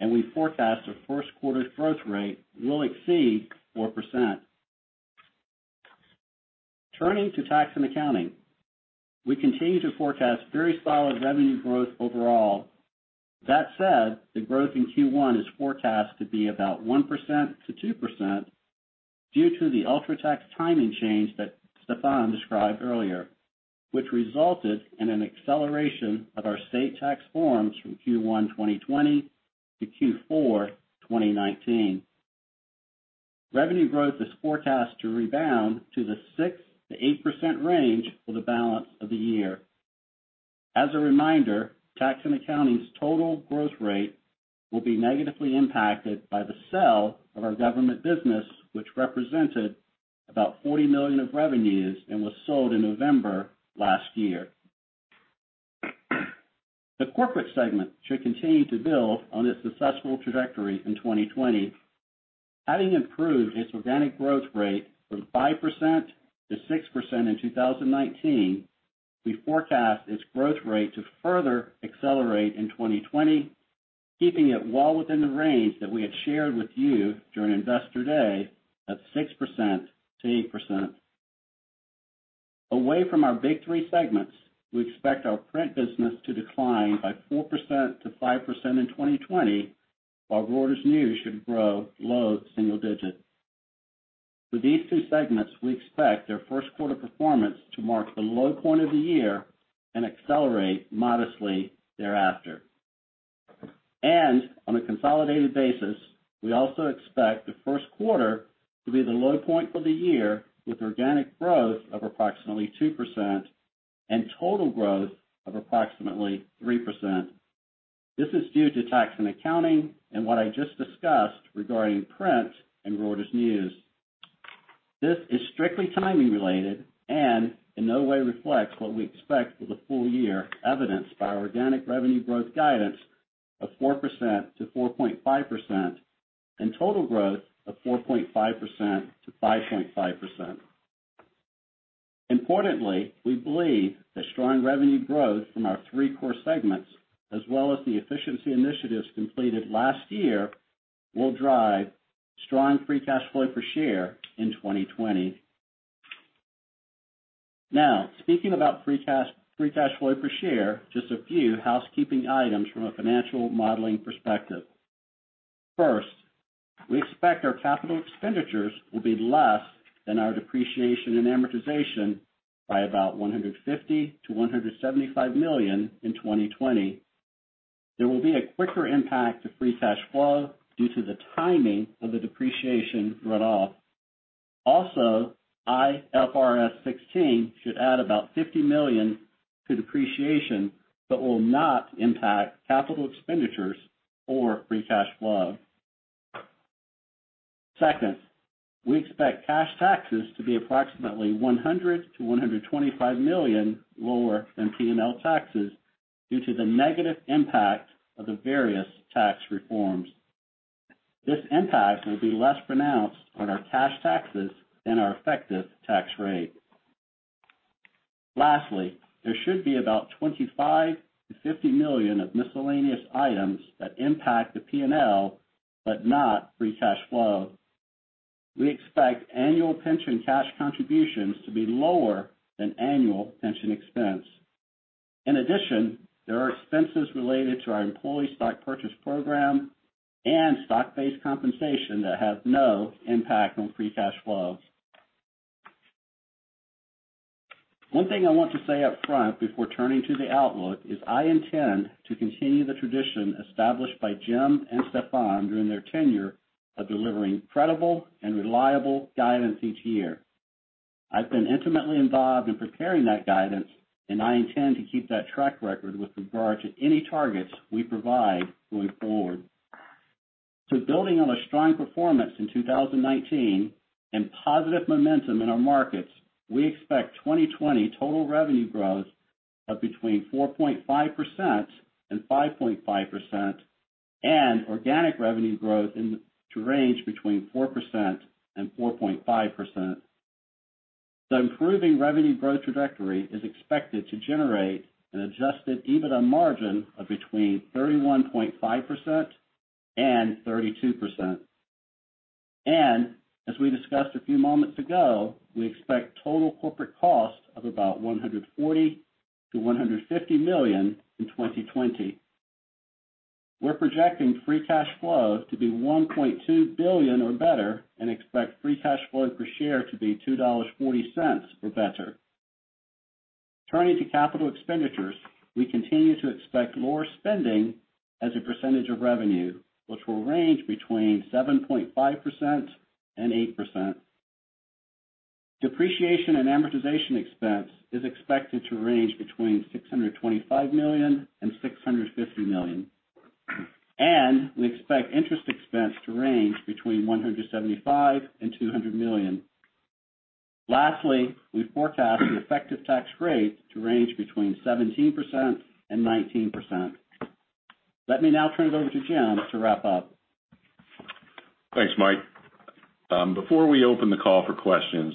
and we forecast our first quarter's growth rate will exceed 4%. Turning to Tax and Accounting, we continue to forecast very solid revenue growth overall. That said, the growth in Q1 is forecast to be about 1%-2% due to the UltraTax timing change that Stephane described earlier, which resulted in an acceleration of our state tax forms from Q1 2020 to Q4 2019. Revenue growth is forecast to rebound to the 6%-8% range for the balance of the year. As a reminder, Tax and Accounting's total growth rate will be negatively impacted by the sale of our government business, which represented about 40 million of revenues and was sold in November last year. The Corporate segment should continue to build on its successful trajectory in 2020. Having improved its organic growth rate from 5%-6% in 2019, we forecast its growth rate to further accelerate in 2020, keeping it well within the range that we had shared with you during investor day of 6%-8%. Away from our big three segments, we expect our print business to decline by 4%-5% in 2020, while Reuters News should grow below single digit. For these two segments, we expect their first quarter performance to mark the low point of the year and accelerate modestly thereafter, and on a consolidated basis, we also expect the first quarter to be the low point for the year, with organic growth of approximately 2% and total growth of approximately 3%. This is due to Tax and Accounting and what I just discussed regarding print and Reuters News. This is strictly timing related and in no way reflects what we expect for the full year, evidenced by our organic revenue growth guidance of 4%-4.5% and total growth of 4.5%-5.5%. Importantly, we believe that strong revenue growth from our three core segments, as well as the efficiency initiatives completed last year, will drive strong free cash flow per share in 2020. Now, speaking about free cash flow per share, just a few housekeeping items from a financial modeling perspective. First, we expect our capital expenditures will be less than our depreciation and amortization by about $150-$175 million in 2020. There will be a quicker impact to free cash flow due to the timing of the depreciation runoff. Also, IFRS 16 should add about $50 million to depreciation but will not impact capital expenditures or free cash flow. Second, we expect cash taxes to be approximately $100-$125 million lower than P&L taxes due to the negative impact of the various tax reforms. This impact will be less pronounced on our cash taxes than our effective tax rate. Lastly, there should be about $25-$50 million of miscellaneous items that impact the P&L but not free cash flow. We expect annual pension cash contributions to be lower than annual pension expense. In addition, there are expenses related to our employee stock purchase program and stock-based compensation that have no impact on free cash flow. One thing I want to say upfront before turning to the outlook is I intend to continue the tradition established by Jim and Stephane during their tenure of delivering credible and reliable guidance each year. I've been intimately involved in preparing that guidance, and I intend to keep that track record with regard to any targets we provide going forward. So building on a strong performance in 2019 and positive momentum in our markets, we expect 2020 total revenue growth of between 4.5% and 5.5% and organic revenue growth to range between 4% and 4.5%. The improving revenue growth trajectory is expected to generate an Adjusted EBITDA margin of between 31.5% and 32%. And as we discussed a few moments ago, we expect total Corporate cost of about $140 million-$150 million in 2020. We're projecting free cash flow to be $1.2 billion or better and expect free cash flow per share to be $2.40 or better. Turning to capital expenditures, we continue to expect lower spending as a percentage of revenue, which will range between 7.5% and 8%. Depreciation and amortization expense is expected to range between $625 million and $650 million. And we expect interest expense to range between $175 million and $200 million. Lastly, we forecast the effective tax rate to range between 17% and 19%. Let me now turn it over to Jim to wrap up. Thanks, Mike. Before we open the call for questions,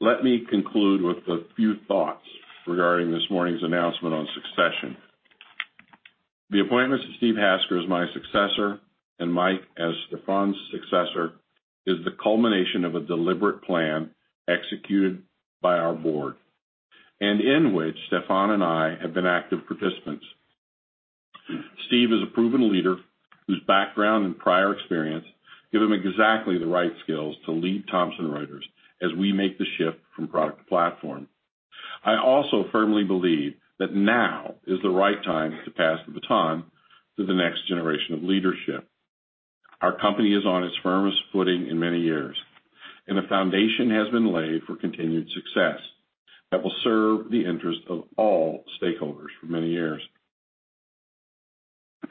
let me conclude with a few thoughts regarding this morning's announcement on succession. The appointment of Steve Hasker, as my successor, and Mike as Stephane's successor, is the culmination of a deliberate plan executed by our board and in which Stephane and I have been active participants. Steve is a proven leader whose background and prior experience give him exactly the right skills to lead Thomson Reuters as we make the shift from product to platform. I also firmly believe that now is the right time to pass the baton to the next generation of leadership. Our company is on its firmest footing in many years, and a foundation has been laid for continued success that will serve the interest of all stakeholders for many years.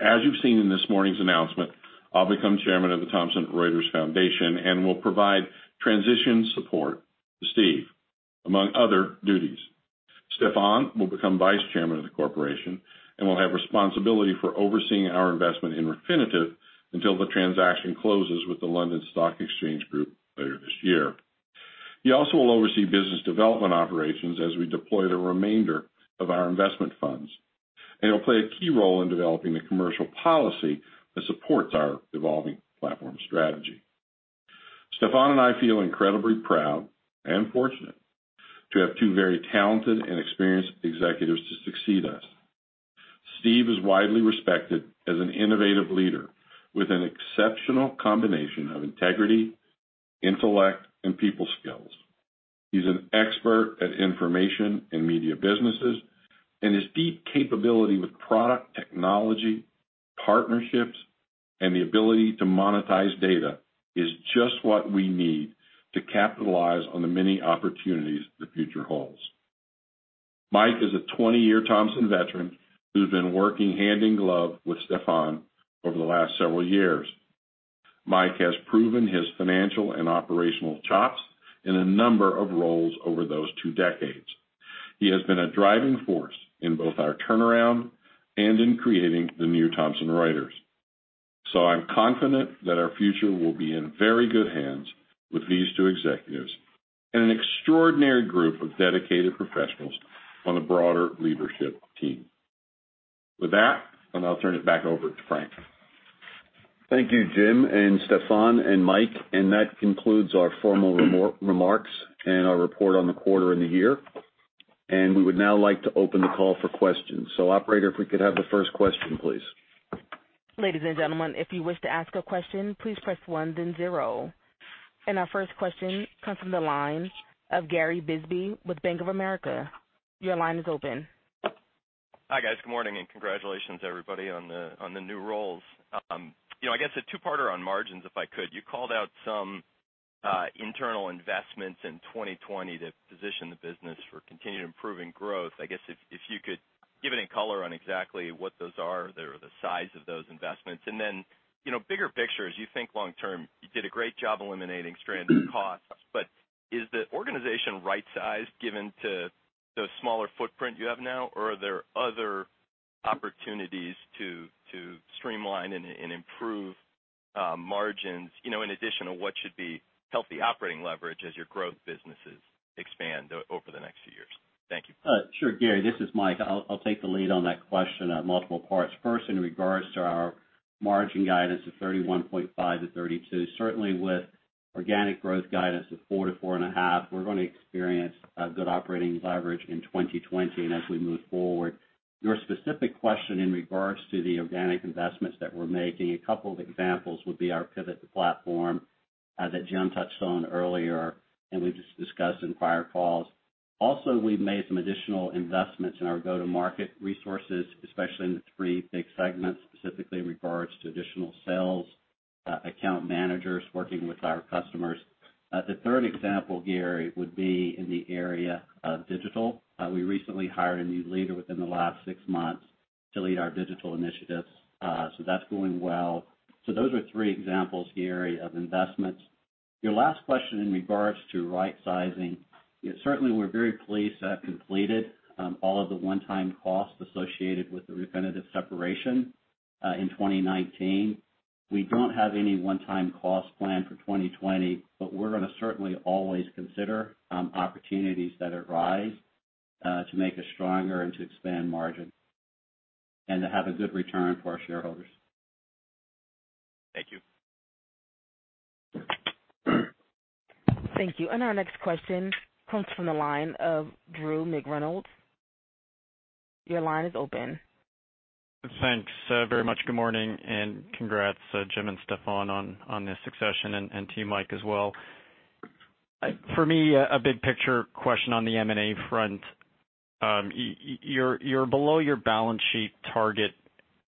As you've seen in this morning's announcement, I'll become Chairman of the Thomson Reuters Foundation and will provide transition support to Steve, among other duties. Stephane will become Vice Chairman of the corporation and will have responsibility for overseeing our investment in Refinitiv until the transaction closes with the London Stock Exchange Group later this year. He also will oversee business development operations as we deploy the remainder of our investment funds, and he'll play a key role in developing the commercial policy that supports our evolving platform strategy. Stephane and I feel incredibly proud and fortunate to have two very talented and experienced executives to succeed us. Steve is widely respected as an innovative leader with an exceptional combination of integrity, intellect, and people skills. He's an expert at information and media businesses, and his deep capability with product technology, partnerships, and the ability to monetize data is just what we need to capitalize on the many opportunities the future holds. Mike is a 20-year Thomson veteran who's been working hand in glove with Stephane over the last several years. Mike has proven his financial and operational chops in a number of roles over those two decades. He has been a driving force in both our turnaround and in creating the new Thomson Reuters. So I'm confident that our future will be in very good hands with these two executives and an extraordinary group of dedicated professionals on the broader leadership team. With that, I'll turn it back over to Frank. Thank you, Jim and Stephane and Mike. And that concludes our formal remarks and our report on the quarter and the year. And we would now like to open the call for questions. So Operator, if we could have the first question, please. Ladies and gentlemen, if you wish to ask a question, please press one, then zero, and our first question comes from the line of Gary Bisbee with Bank of America. Your line is open. Hi guys. Good morning and congratulations to everybody on the new roles. I guess a two-parter on margins, if I could. You called out some internal investments in 2020 that positioned the business for continued improving growth. I guess if you could give it in color on exactly what those are, the size of those investments. And then bigger picture, as you think long-term, you did a great job eliminating stranded costs. But is the organization right-sized given the smaller footprint you have now, or are there other opportunities to streamline and improve margins in addition to what should be healthy operating leverage as your growth businesses expand over the next few years? Thank you. Sure, Gary. This is Mike. I'll take the lead on that question at multiple parts. First, in regards to our margin guidance of 31.5%-32%, certainly with organic growth guidance of 4%-4.5%, we're going to experience good operating leverage in 2020 as we move forward. Your specific question in regards to the organic investments that we're making, a couple of examples would be our pivot to platform that Jim touched on earlier, and we just discussed in prior calls. Also, we've made some additional investments in our go-to-market resources, especially in the three big segments, specifically in regards to additional sales, account managers working with our customers. The third example, Gary, would be in the area of digital. We recently hired a new leader within the last six months to lead our digital initiatives. So that's going well. So those are three examples, Gary, of investments. Your last question in regards to right-sizing, certainly we're very pleased to have completed all of the one-time costs associated with the Refinitiv separation in 2019. We don't have any one-time cost plan for 2020, but we're going to certainly always consider opportunities that arise to make a stronger and to expand margin and to have a good return for our shareholders. Thank you. Thank you. And our next question comes from the line of Drew McReynolds. Your line is open. Thanks very much. Good morning and congrats, Jim and Stephane, on this succession and to you, Mike, as well. For me, a big picture question on the M&A front. You're below your balance sheet target.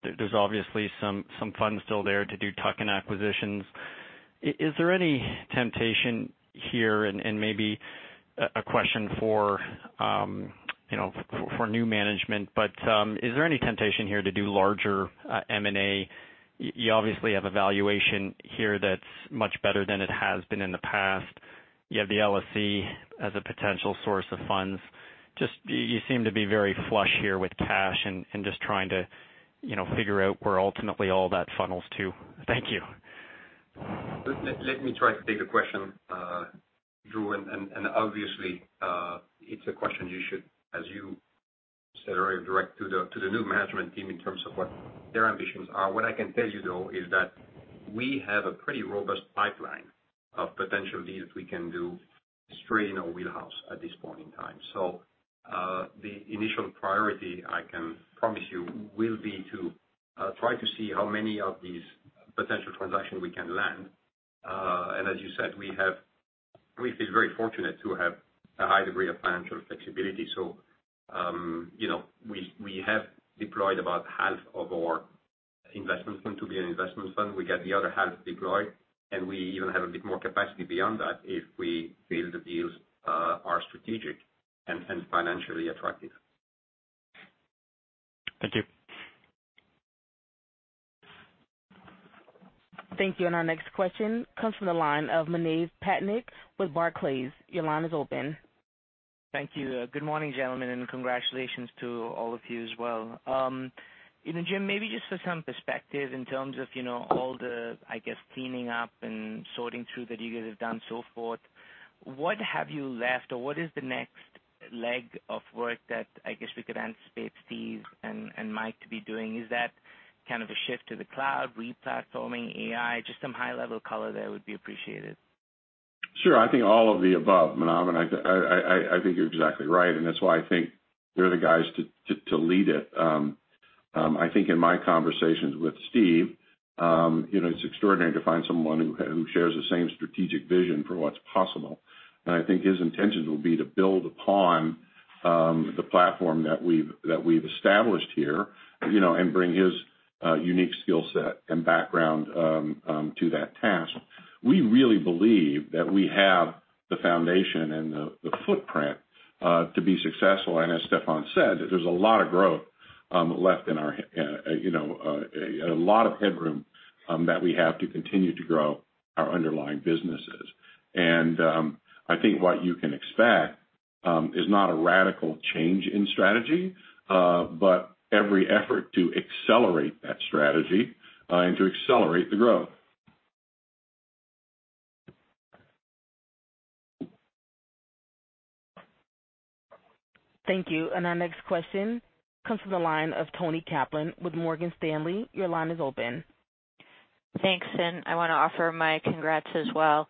There's obviously some funds still there to do tuck-in acquisitions. Is there any temptation here, and maybe a question for new management, but is there any temptation here to do larger M&A? You obviously have a valuation here that's much better than it has been in the past. You have the LSE as a potential source of funds. Just you seem to be very flush here with cash and just trying to figure out where ultimately all that funnels to. Thank you. Let me try to take the question, Drew. And obviously, it's a question you should, as you said earlier, direct to the new management team in terms of what their ambitions are. What I can tell you, though, is that we have a pretty robust pipeline of potential deals we can do straight in our wheelhouse at this point in time. So the initial priority, I can promise you, will be to try to see how many of these potential transactions we can land. And as you said, we feel very fortunate to have a high degree of financial flexibility. So we have deployed about half of our investment fund to be an investment fund. We got the other half deployed, and we even have a bit more capacity beyond that if we feel the deals are strategic and financially attractive. Thank you. Thank you. And our next question comes from the line of Manav Patnaik with Barclays. Your line is open. Thank you. Good morning, gentlemen, and congratulations to all of you as well. Jim, maybe just for some perspective in terms of all the, I guess, cleaning up and sorting through that you guys have done so far, what have you left or what is the next leg of work that I guess we could anticipate Steve and Mike to be doing? Is that kind of a shift to the cloud, re-platforming AI? Just some high-level color there would be appreciated. Sure. I think all of the above, Manav, and I think you're exactly right. And that's why I think you're the guys to lead it. I think in my conversations with Steve, it's extraordinary to find someone who shares the same strategic vision for what's possible. And I think his intentions will be to build upon the platform that we've established here and bring his unique skill set and background to that task. We really believe that we have the foundation and the footprint to be successful. And as Stephane said, there's a lot of growth left in our a lot of headroom that we have to continue to grow our underlying businesses. And I think what you can expect is not a radical change in strategy, but every effort to accelerate that strategy and to accelerate the growth. Thank you. And our next question comes from the line of Toni Kaplan with Morgan Stanley. Your line is open. Thanks, Steve. I want to offer my congrats as well.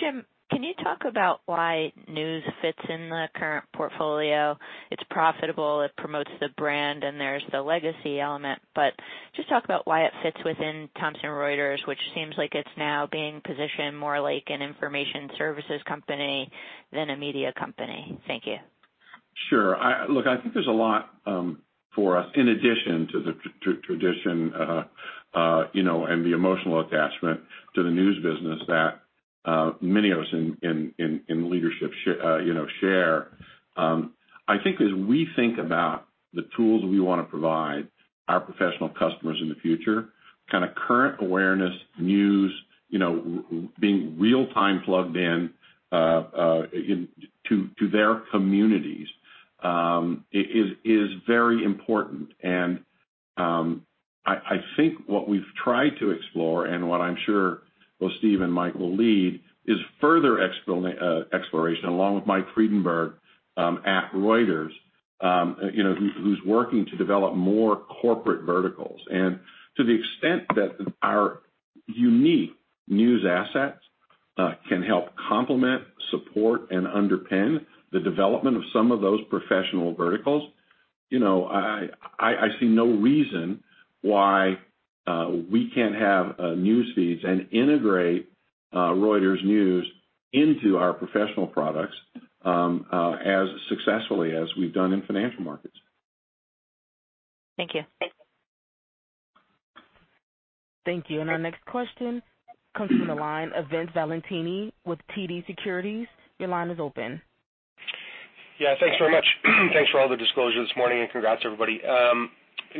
Jim, can you talk about why News fits in the current portfolio? It's profitable. It promotes the brand, and there's the legacy element. But just talk about why it fits within Thomson Reuters, which seems like it's now being positioned more like an information services company than a media company. Thank you. Sure. Look, I think there's a lot for us in addition to the tradition and the emotional attachment to the news business that many of us in leadership share. I think as we think about the tools we want to provide our professional customers in the future, kind of current awareness, news, being real-time plugged into their communities is very important. And I think what we've tried to explore and what I'm sure both Steve and Mike will lead is further exploration along with Mike Friedenberg at Reuters, who's working to develop more Corporate verticals. And to the extent that our unique news assets can help complement, support, and underpin the development of some of those professional verticals, I see no reason why we can't have news feeds and integrate Reuters News into our professional products as successfully as we've done in financial markets. Thank you. Thank you. And our next question comes from the line of Vince Valentini with TD Securities. Your line is open. Yeah. Thanks very much. Thanks for all the disclosure this morning and congrats to everybody.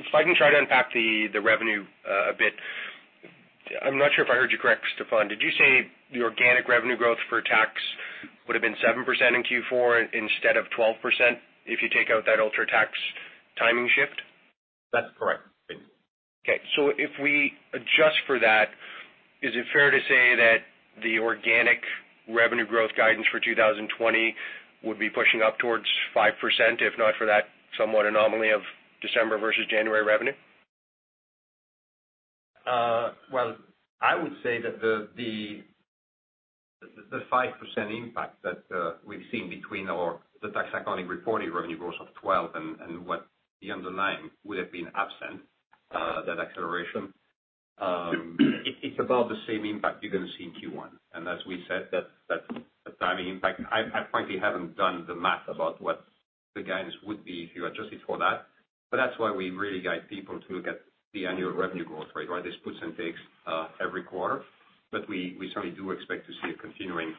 If I can try to unpack the revenue a bit, I'm not sure if I heard you correct, Stephane. Did you say the organic revenue growth for Tax would have been 7% in Q4 instead of 12% if you take out that UltraTax timing shift? That's correct. Okay. So if we adjust for that, is it fair to say that the organic revenue growth guidance for 2020 would be pushing up towards 5% if not for that somewhat anomaly of December versus January revenue? I would say that the 5% impact that we've seen between the Tax and Accounting reporting revenue growth of 12% and what the underlying would have been absent that acceleration, it's about the same impact you're going to see in Q1. And as we said, that's the timing impact. I frankly haven't done the math about what the guidance would be if you adjust it for that. But that's why we really guide people to look at the annual revenue growth rate, right? This puts and takes every quarter. But we certainly do expect to see a continuing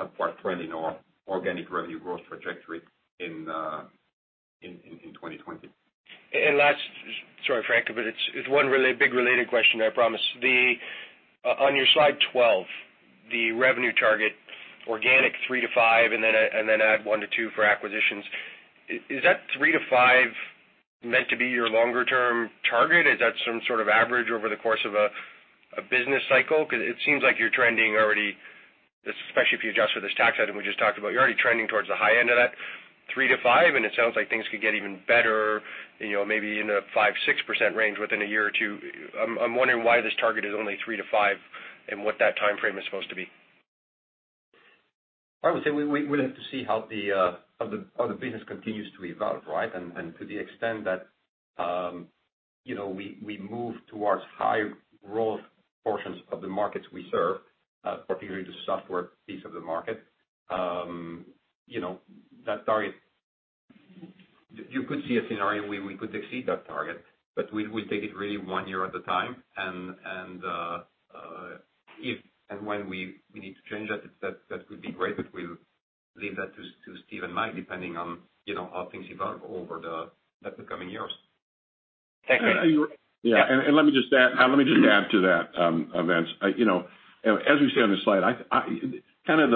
upward trend in our organic revenue growth trajectory in 2020. Sorry, Frank, but it's one really big related question, I promise. On your Slide 12, the revenue target, organic 3%-5%, and then add 1%-2% for acquisitions. Is that 3%-5% meant to be your longer-term target? Is that some sort of average over the course of a business cycle? Because it seems like you're trending already, especially if you adjust for this tax item we just talked about, you're already trending towards the high end of that 3%-5%, and it sounds like things could get even better, maybe in a 5%-6% range within a year or two. I'm wondering why this target is only 3%-5% and what that timeframe is supposed to be. I would say we will have to see how the business continues to evolve, right? And to the extent that we move towards high-growth portions of the markets we serve, particularly the software piece of the market, that target, you could see a scenario where we could exceed that target, but we'll take it really one year at a time. And if and when we need to change that, that would be great, but we'll leave that to Steve and Mike depending on how things evolve over the coming years. Thank you. Yeah. And let me just add to that, Vince. As we see on this slide, kind of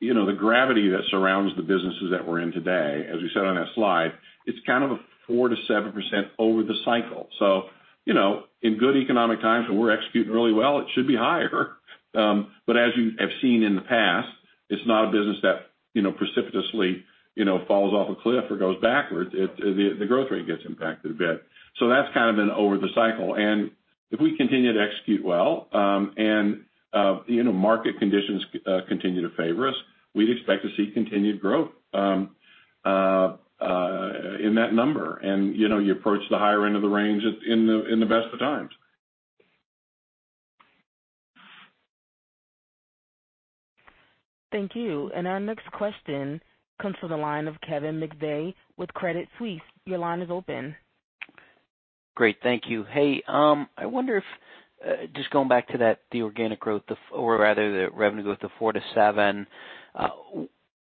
the gravity that surrounds the businesses that we're in today, as we said on that slide, it's kind of a 4%-7% over the cycle. So in good economic times, when we're executing really well, it should be higher. But as you have seen in the past, it's not a business that precipitously falls off a cliff or goes backwards. The growth rate gets impacted a bit. So that's kind of an over-the-cycle. And if we continue to execute well and market conditions continue to favor us, we'd expect to see continued growth in that number and you approach the higher end of the range in the best of times. Thank you. And our next question comes from the line of Kevin McVeigh with Credit Suisse. Your line is open. Great. Thank you. Hey, I wonder if just going back to the organic growth or rather the revenue growth, the 4%-7%,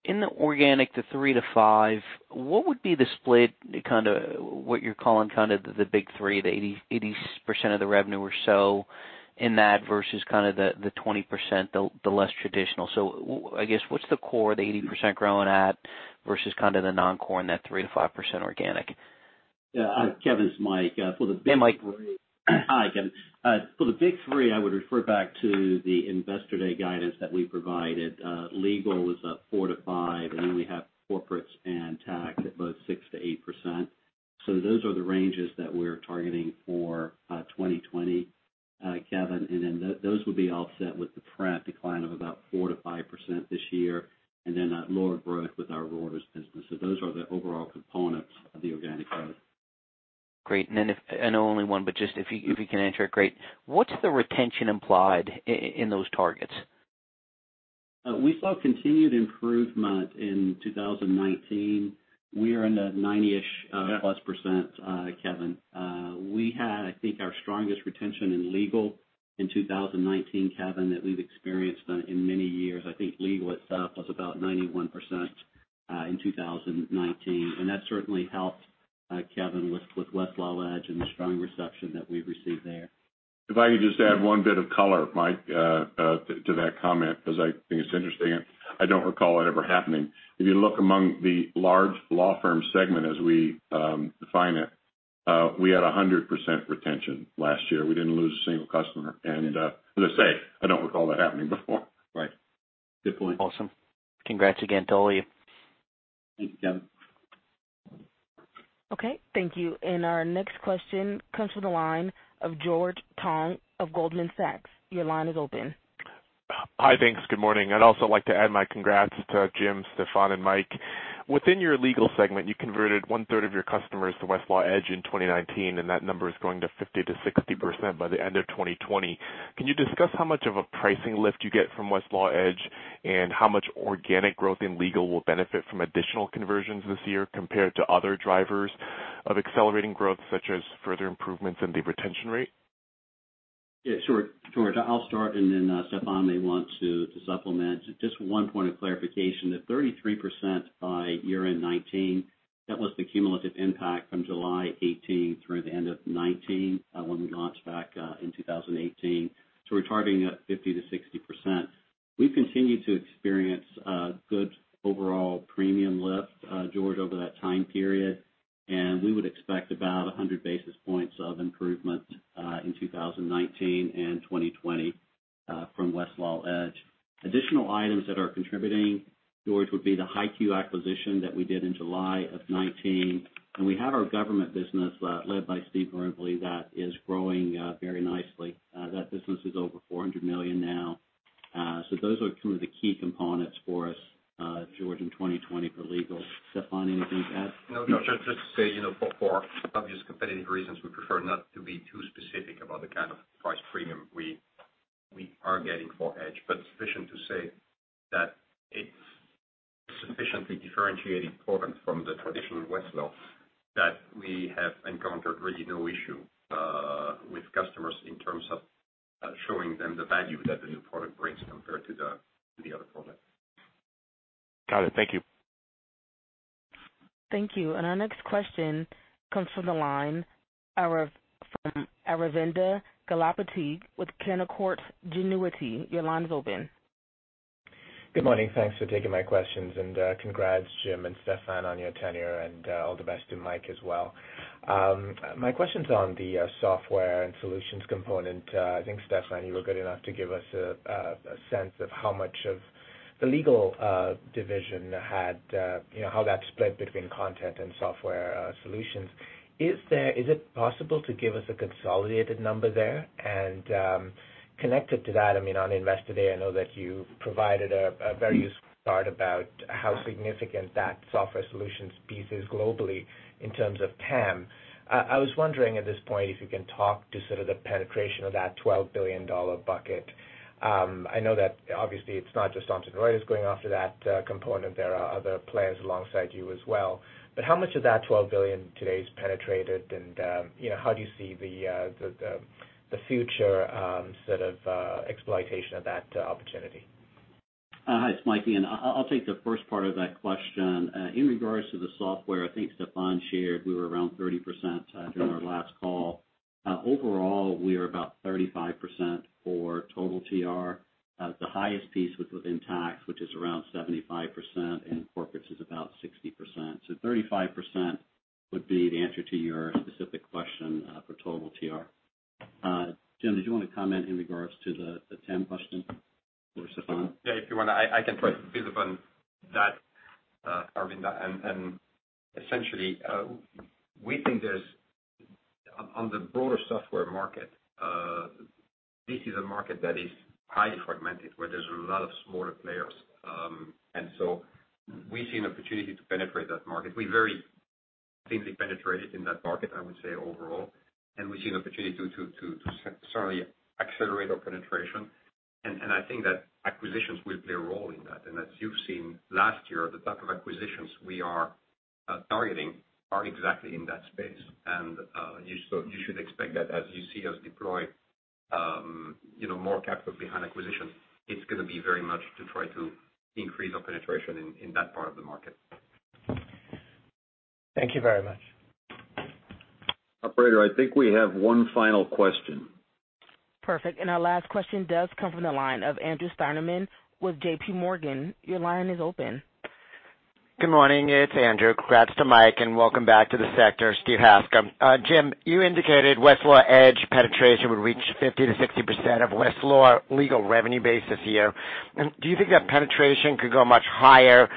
in the organic, the 3%-5%, what would be the split kind of what you're calling kind of the Big 3, the 80% of the revenue or so in that versus kind of the 20%, the less traditional? So I guess what's the core of the 80% growing at versus kind of the non-core in that 3%-5% organic? Yeah, Kevin McVeigh. Hey, Mike. Hi, Kevin. For the Big 3, I would refer back to the Investor Day guidance that we provided. Legal is at 4%-5%, and then we have Corporates and Tax at both 6%-8%. So those are the ranges that we're targeting for 2020, Kevin. And then those would be offset with the decline of about 4%-5% this year and then lower growth with our Reuters business. So those are the overall components of the organic growth. Great, and then I know only one, but just if you can answer it, great. What's the retention implied in those targets? We saw continued improvement in 2019. We are in the 90%+-ish, Kevin. We had, I think, our strongest retention in Legal in 2019, Kevin, that we've experienced in many years. I think Legal itself was about 91% in 2019. And that certainly helped, Kevin, with Westlaw Edge and the strong reception that we've received there. If I could just add one bit of color, Mike, to that comment, because I think it's interesting. I don't recall it ever happening. If you look among the large law firm segment, as we define it, we had 100% retention last year. We didn't lose a single customer. And as I say, I don't recall that happening before. Right. Good point. Awesome. Congrats again to all of you. Thank you, Kevin. Okay. Thank you. And our next question comes from the line of George Tong of Goldman Sachs. Your line is open. Hi, Vince. Good morning. I'd also like to add my congrats to Jim, Stephane, and Mike. Within your Legal segment, you converted one-third of your customers to Westlaw Edge in 2019, and that number is going to 50%-60% by the end of 2020. Can you discuss how much of a pricing lift you get from Westlaw Edge and how much organic growth in Legal will benefit from additional conversions this year compared to other drivers of accelerating growth, such as further improvements in the retention rate? Yeah. Sure. George, I'll start, and then Stephane may want to supplement. Just one point of clarification. The 33% by year-end 2019, that was the cumulative impact from July 2018 through the end of 2019 when we launched back in 2018. So we're targeting 50%-60%. We've continued to experience good overall premium lift, George, over that time period. And we would expect about 100 basis points of improvement in 2019 and 2020 from Westlaw Edge. Additional items that are contributing, George, would be the HighQ acquisition that we did in July 2019. And we have our government business led by Steve Rubley that is growing very nicely. That business is over $400 million now. So those are some of the key components for us, George, in 2020 for Legal. Stephane, anything to add? No, just to say, for obvious competitive reasons, we prefer not to be too specific about the kind of price premium we are getting for Edge. But sufficient to say that it's sufficiently differentiated product from the traditional Westlaw that we have encountered really no issue with customers in terms of showing them the value that the new product brings compared to the other product. Got it. Thank you. Thank you. And our next question comes from the line from Aravinda Galappatthige with Canaccord Genuity. Your line is open. Good morning. Thanks for taking my questions. And congrats, Jim and Stephane, on your tenure, and all the best to Mike as well. My question's on the software and solutions component. I think, Stephane, you were good enough to give us a sense of how much of the Legal division had how that split between content and software solutions. Is it possible to give us a consolidated number there? And connected to that, I mean, on Investor Day, I know that you provided a very useful part about how significant that software solutions piece is globally in terms of TAM. I was wondering at this point if you can talk to sort of the penetration of that $12 billion bucket. I know that obviously it's not just Thomson Reuters going after that component. There are other players alongside you as well. But how much of that $12 billion today is penetrated, and how do you see the future sort of exploitation of that opportunity? Hi, it's Mike again. I'll take the first part of that question. In regards to the software, I think Stefan shared we were around 30% during our last call. Overall, we are about 35% for total TR. The highest piece was within Tax, which is around 75%, and Corporates is about 60%. So 35% would be the answer to your specific question for total TR. Jim, did you want to comment in regards to the TAM question or Stefan? Yeah. If you want, I can be the one that Aravinda. And essentially, we think on the broader software market, this is a market that is highly fragmented, where there's a lot of smaller players. And so we've seen opportunity to penetrate that market. We very thinly penetrated in that market, I would say, overall. And we've seen opportunity to certainly accelerate our penetration. And I think that acquisitions will play a role in that. And as you've seen last year, the type of acquisitions we are targeting are exactly in that space. And you should expect that as you see us deploy more capital behind acquisition, it's going to be very much to try to increase our penetration in that part of the market. Thank you very much. Operator, I think we have one final question. Perfect. And our last question does come from the line of Andrew Steinerman with JPMorgan. Your line is open. Good morning. It's Andrew. Congrats to Mike and welcome back to the sector, Steve Hasker. Jim, you indicated Westlaw Edge penetration would reach 50%-60% of Westlaw Legal revenue base this year. And do you think that penetration could go much higher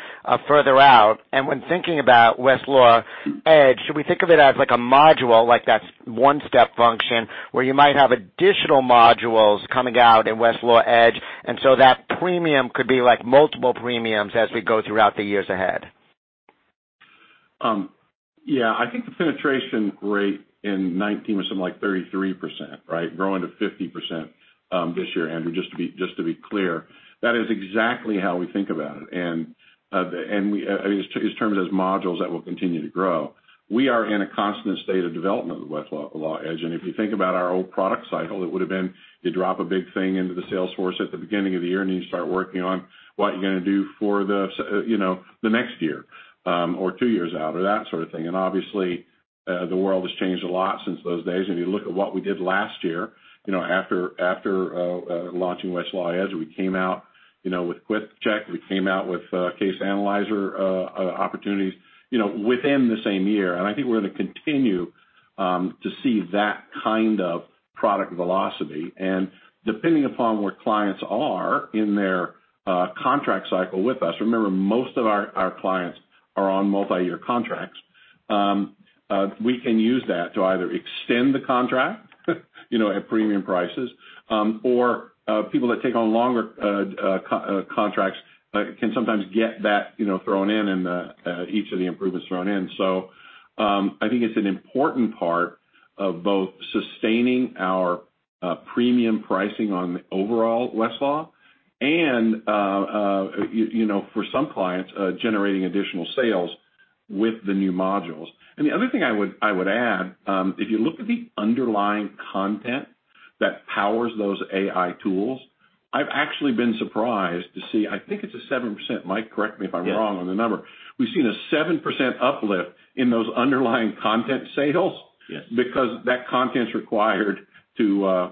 further out? And when thinking about Westlaw Edge, should we think of it as a module, like that one-step function, where you might have additional modules coming out in Westlaw Edge, and so that premium could be multiple premiums as we go throughout the years ahead? Yeah. I think the penetration rate in 2019 was something like 33%, right? Growing to 50% this year, Andrew, just to be clear. That is exactly how we think about it. And it's termed as modules that will continue to grow. We are in a constant state of development of Westlaw Edge. And if you think about our old product cycle, it would have been you drop a big thing into the sales force at the beginning of the year, and then you start working on what you're going to do for the next year or two years out or that sort of thing. And obviously, the world has changed a lot since those days. And you look at what we did last year after launching Westlaw Edge. We came out with Quick Check. We came out with Case Analytics opportunities within the same year. I think we're going to continue to see that kind of product velocity. Depending upon where clients are in their contract cycle with us, remember, most of our clients are on multi-year contracts. We can use that to either extend the contract at premium prices, or people that take on longer contracts can sometimes get that thrown in and each of the improvements thrown in. I think it's an important part of both sustaining our premium pricing on overall Westlaw and, for some clients, generating additional sales with the new modules. The other thing I would add, if you look at the underlying content that powers those AI tools, I've actually been surprised to see I think it's a 7%. Mike, correct me if I'm wrong on the number. We've seen a 7% uplift in those underlying content sales because that content's required to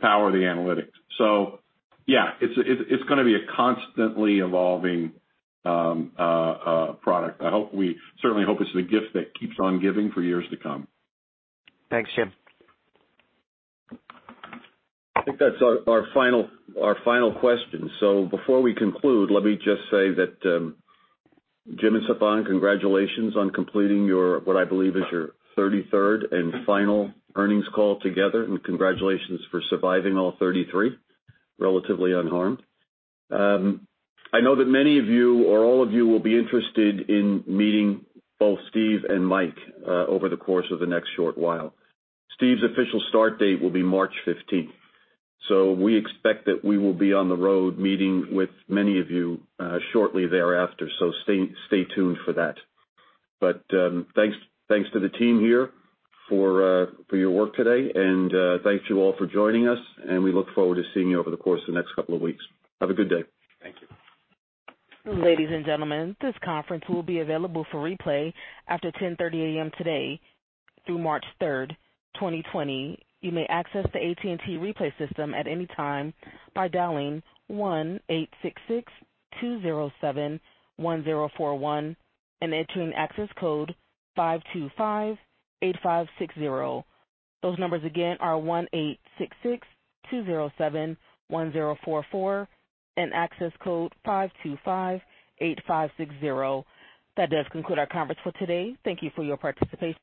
power the analytics. So yeah, it's going to be a constantly evolving product. I certainly hope it's the gift that keeps on giving for years to come. Thanks, Jim. I think that's our final question. So before we conclude, let me just say that Jim and Stephane, congratulations on completing what I believe is your 33rd and final earnings call together. And congratulations for surviving all 33 relatively unharmed. I know that many of you or all of you will be interested in meeting both Steve and Mike over the course of the next short while. Steve's official start date will be March 15th. So we expect that we will be on the road meeting with many of you shortly thereafter. So stay tuned for that. But thanks to the team here for your work today. And thanks to you all for joining us. And we look forward to seeing you over the course of the next couple of weeks. Have a good day. Thank you. Ladies and gentlemen, this conference will be available for replay after 10:30 A.M. today through March 3rd, 2020. You may access the AT&T replay system at any time by dialing 1-866-207-1041 and entering access code 525-8560. Those numbers again are 1-866-207-1044 and access code 525-8560. That does conclude our conference for today. Thank you for your participation.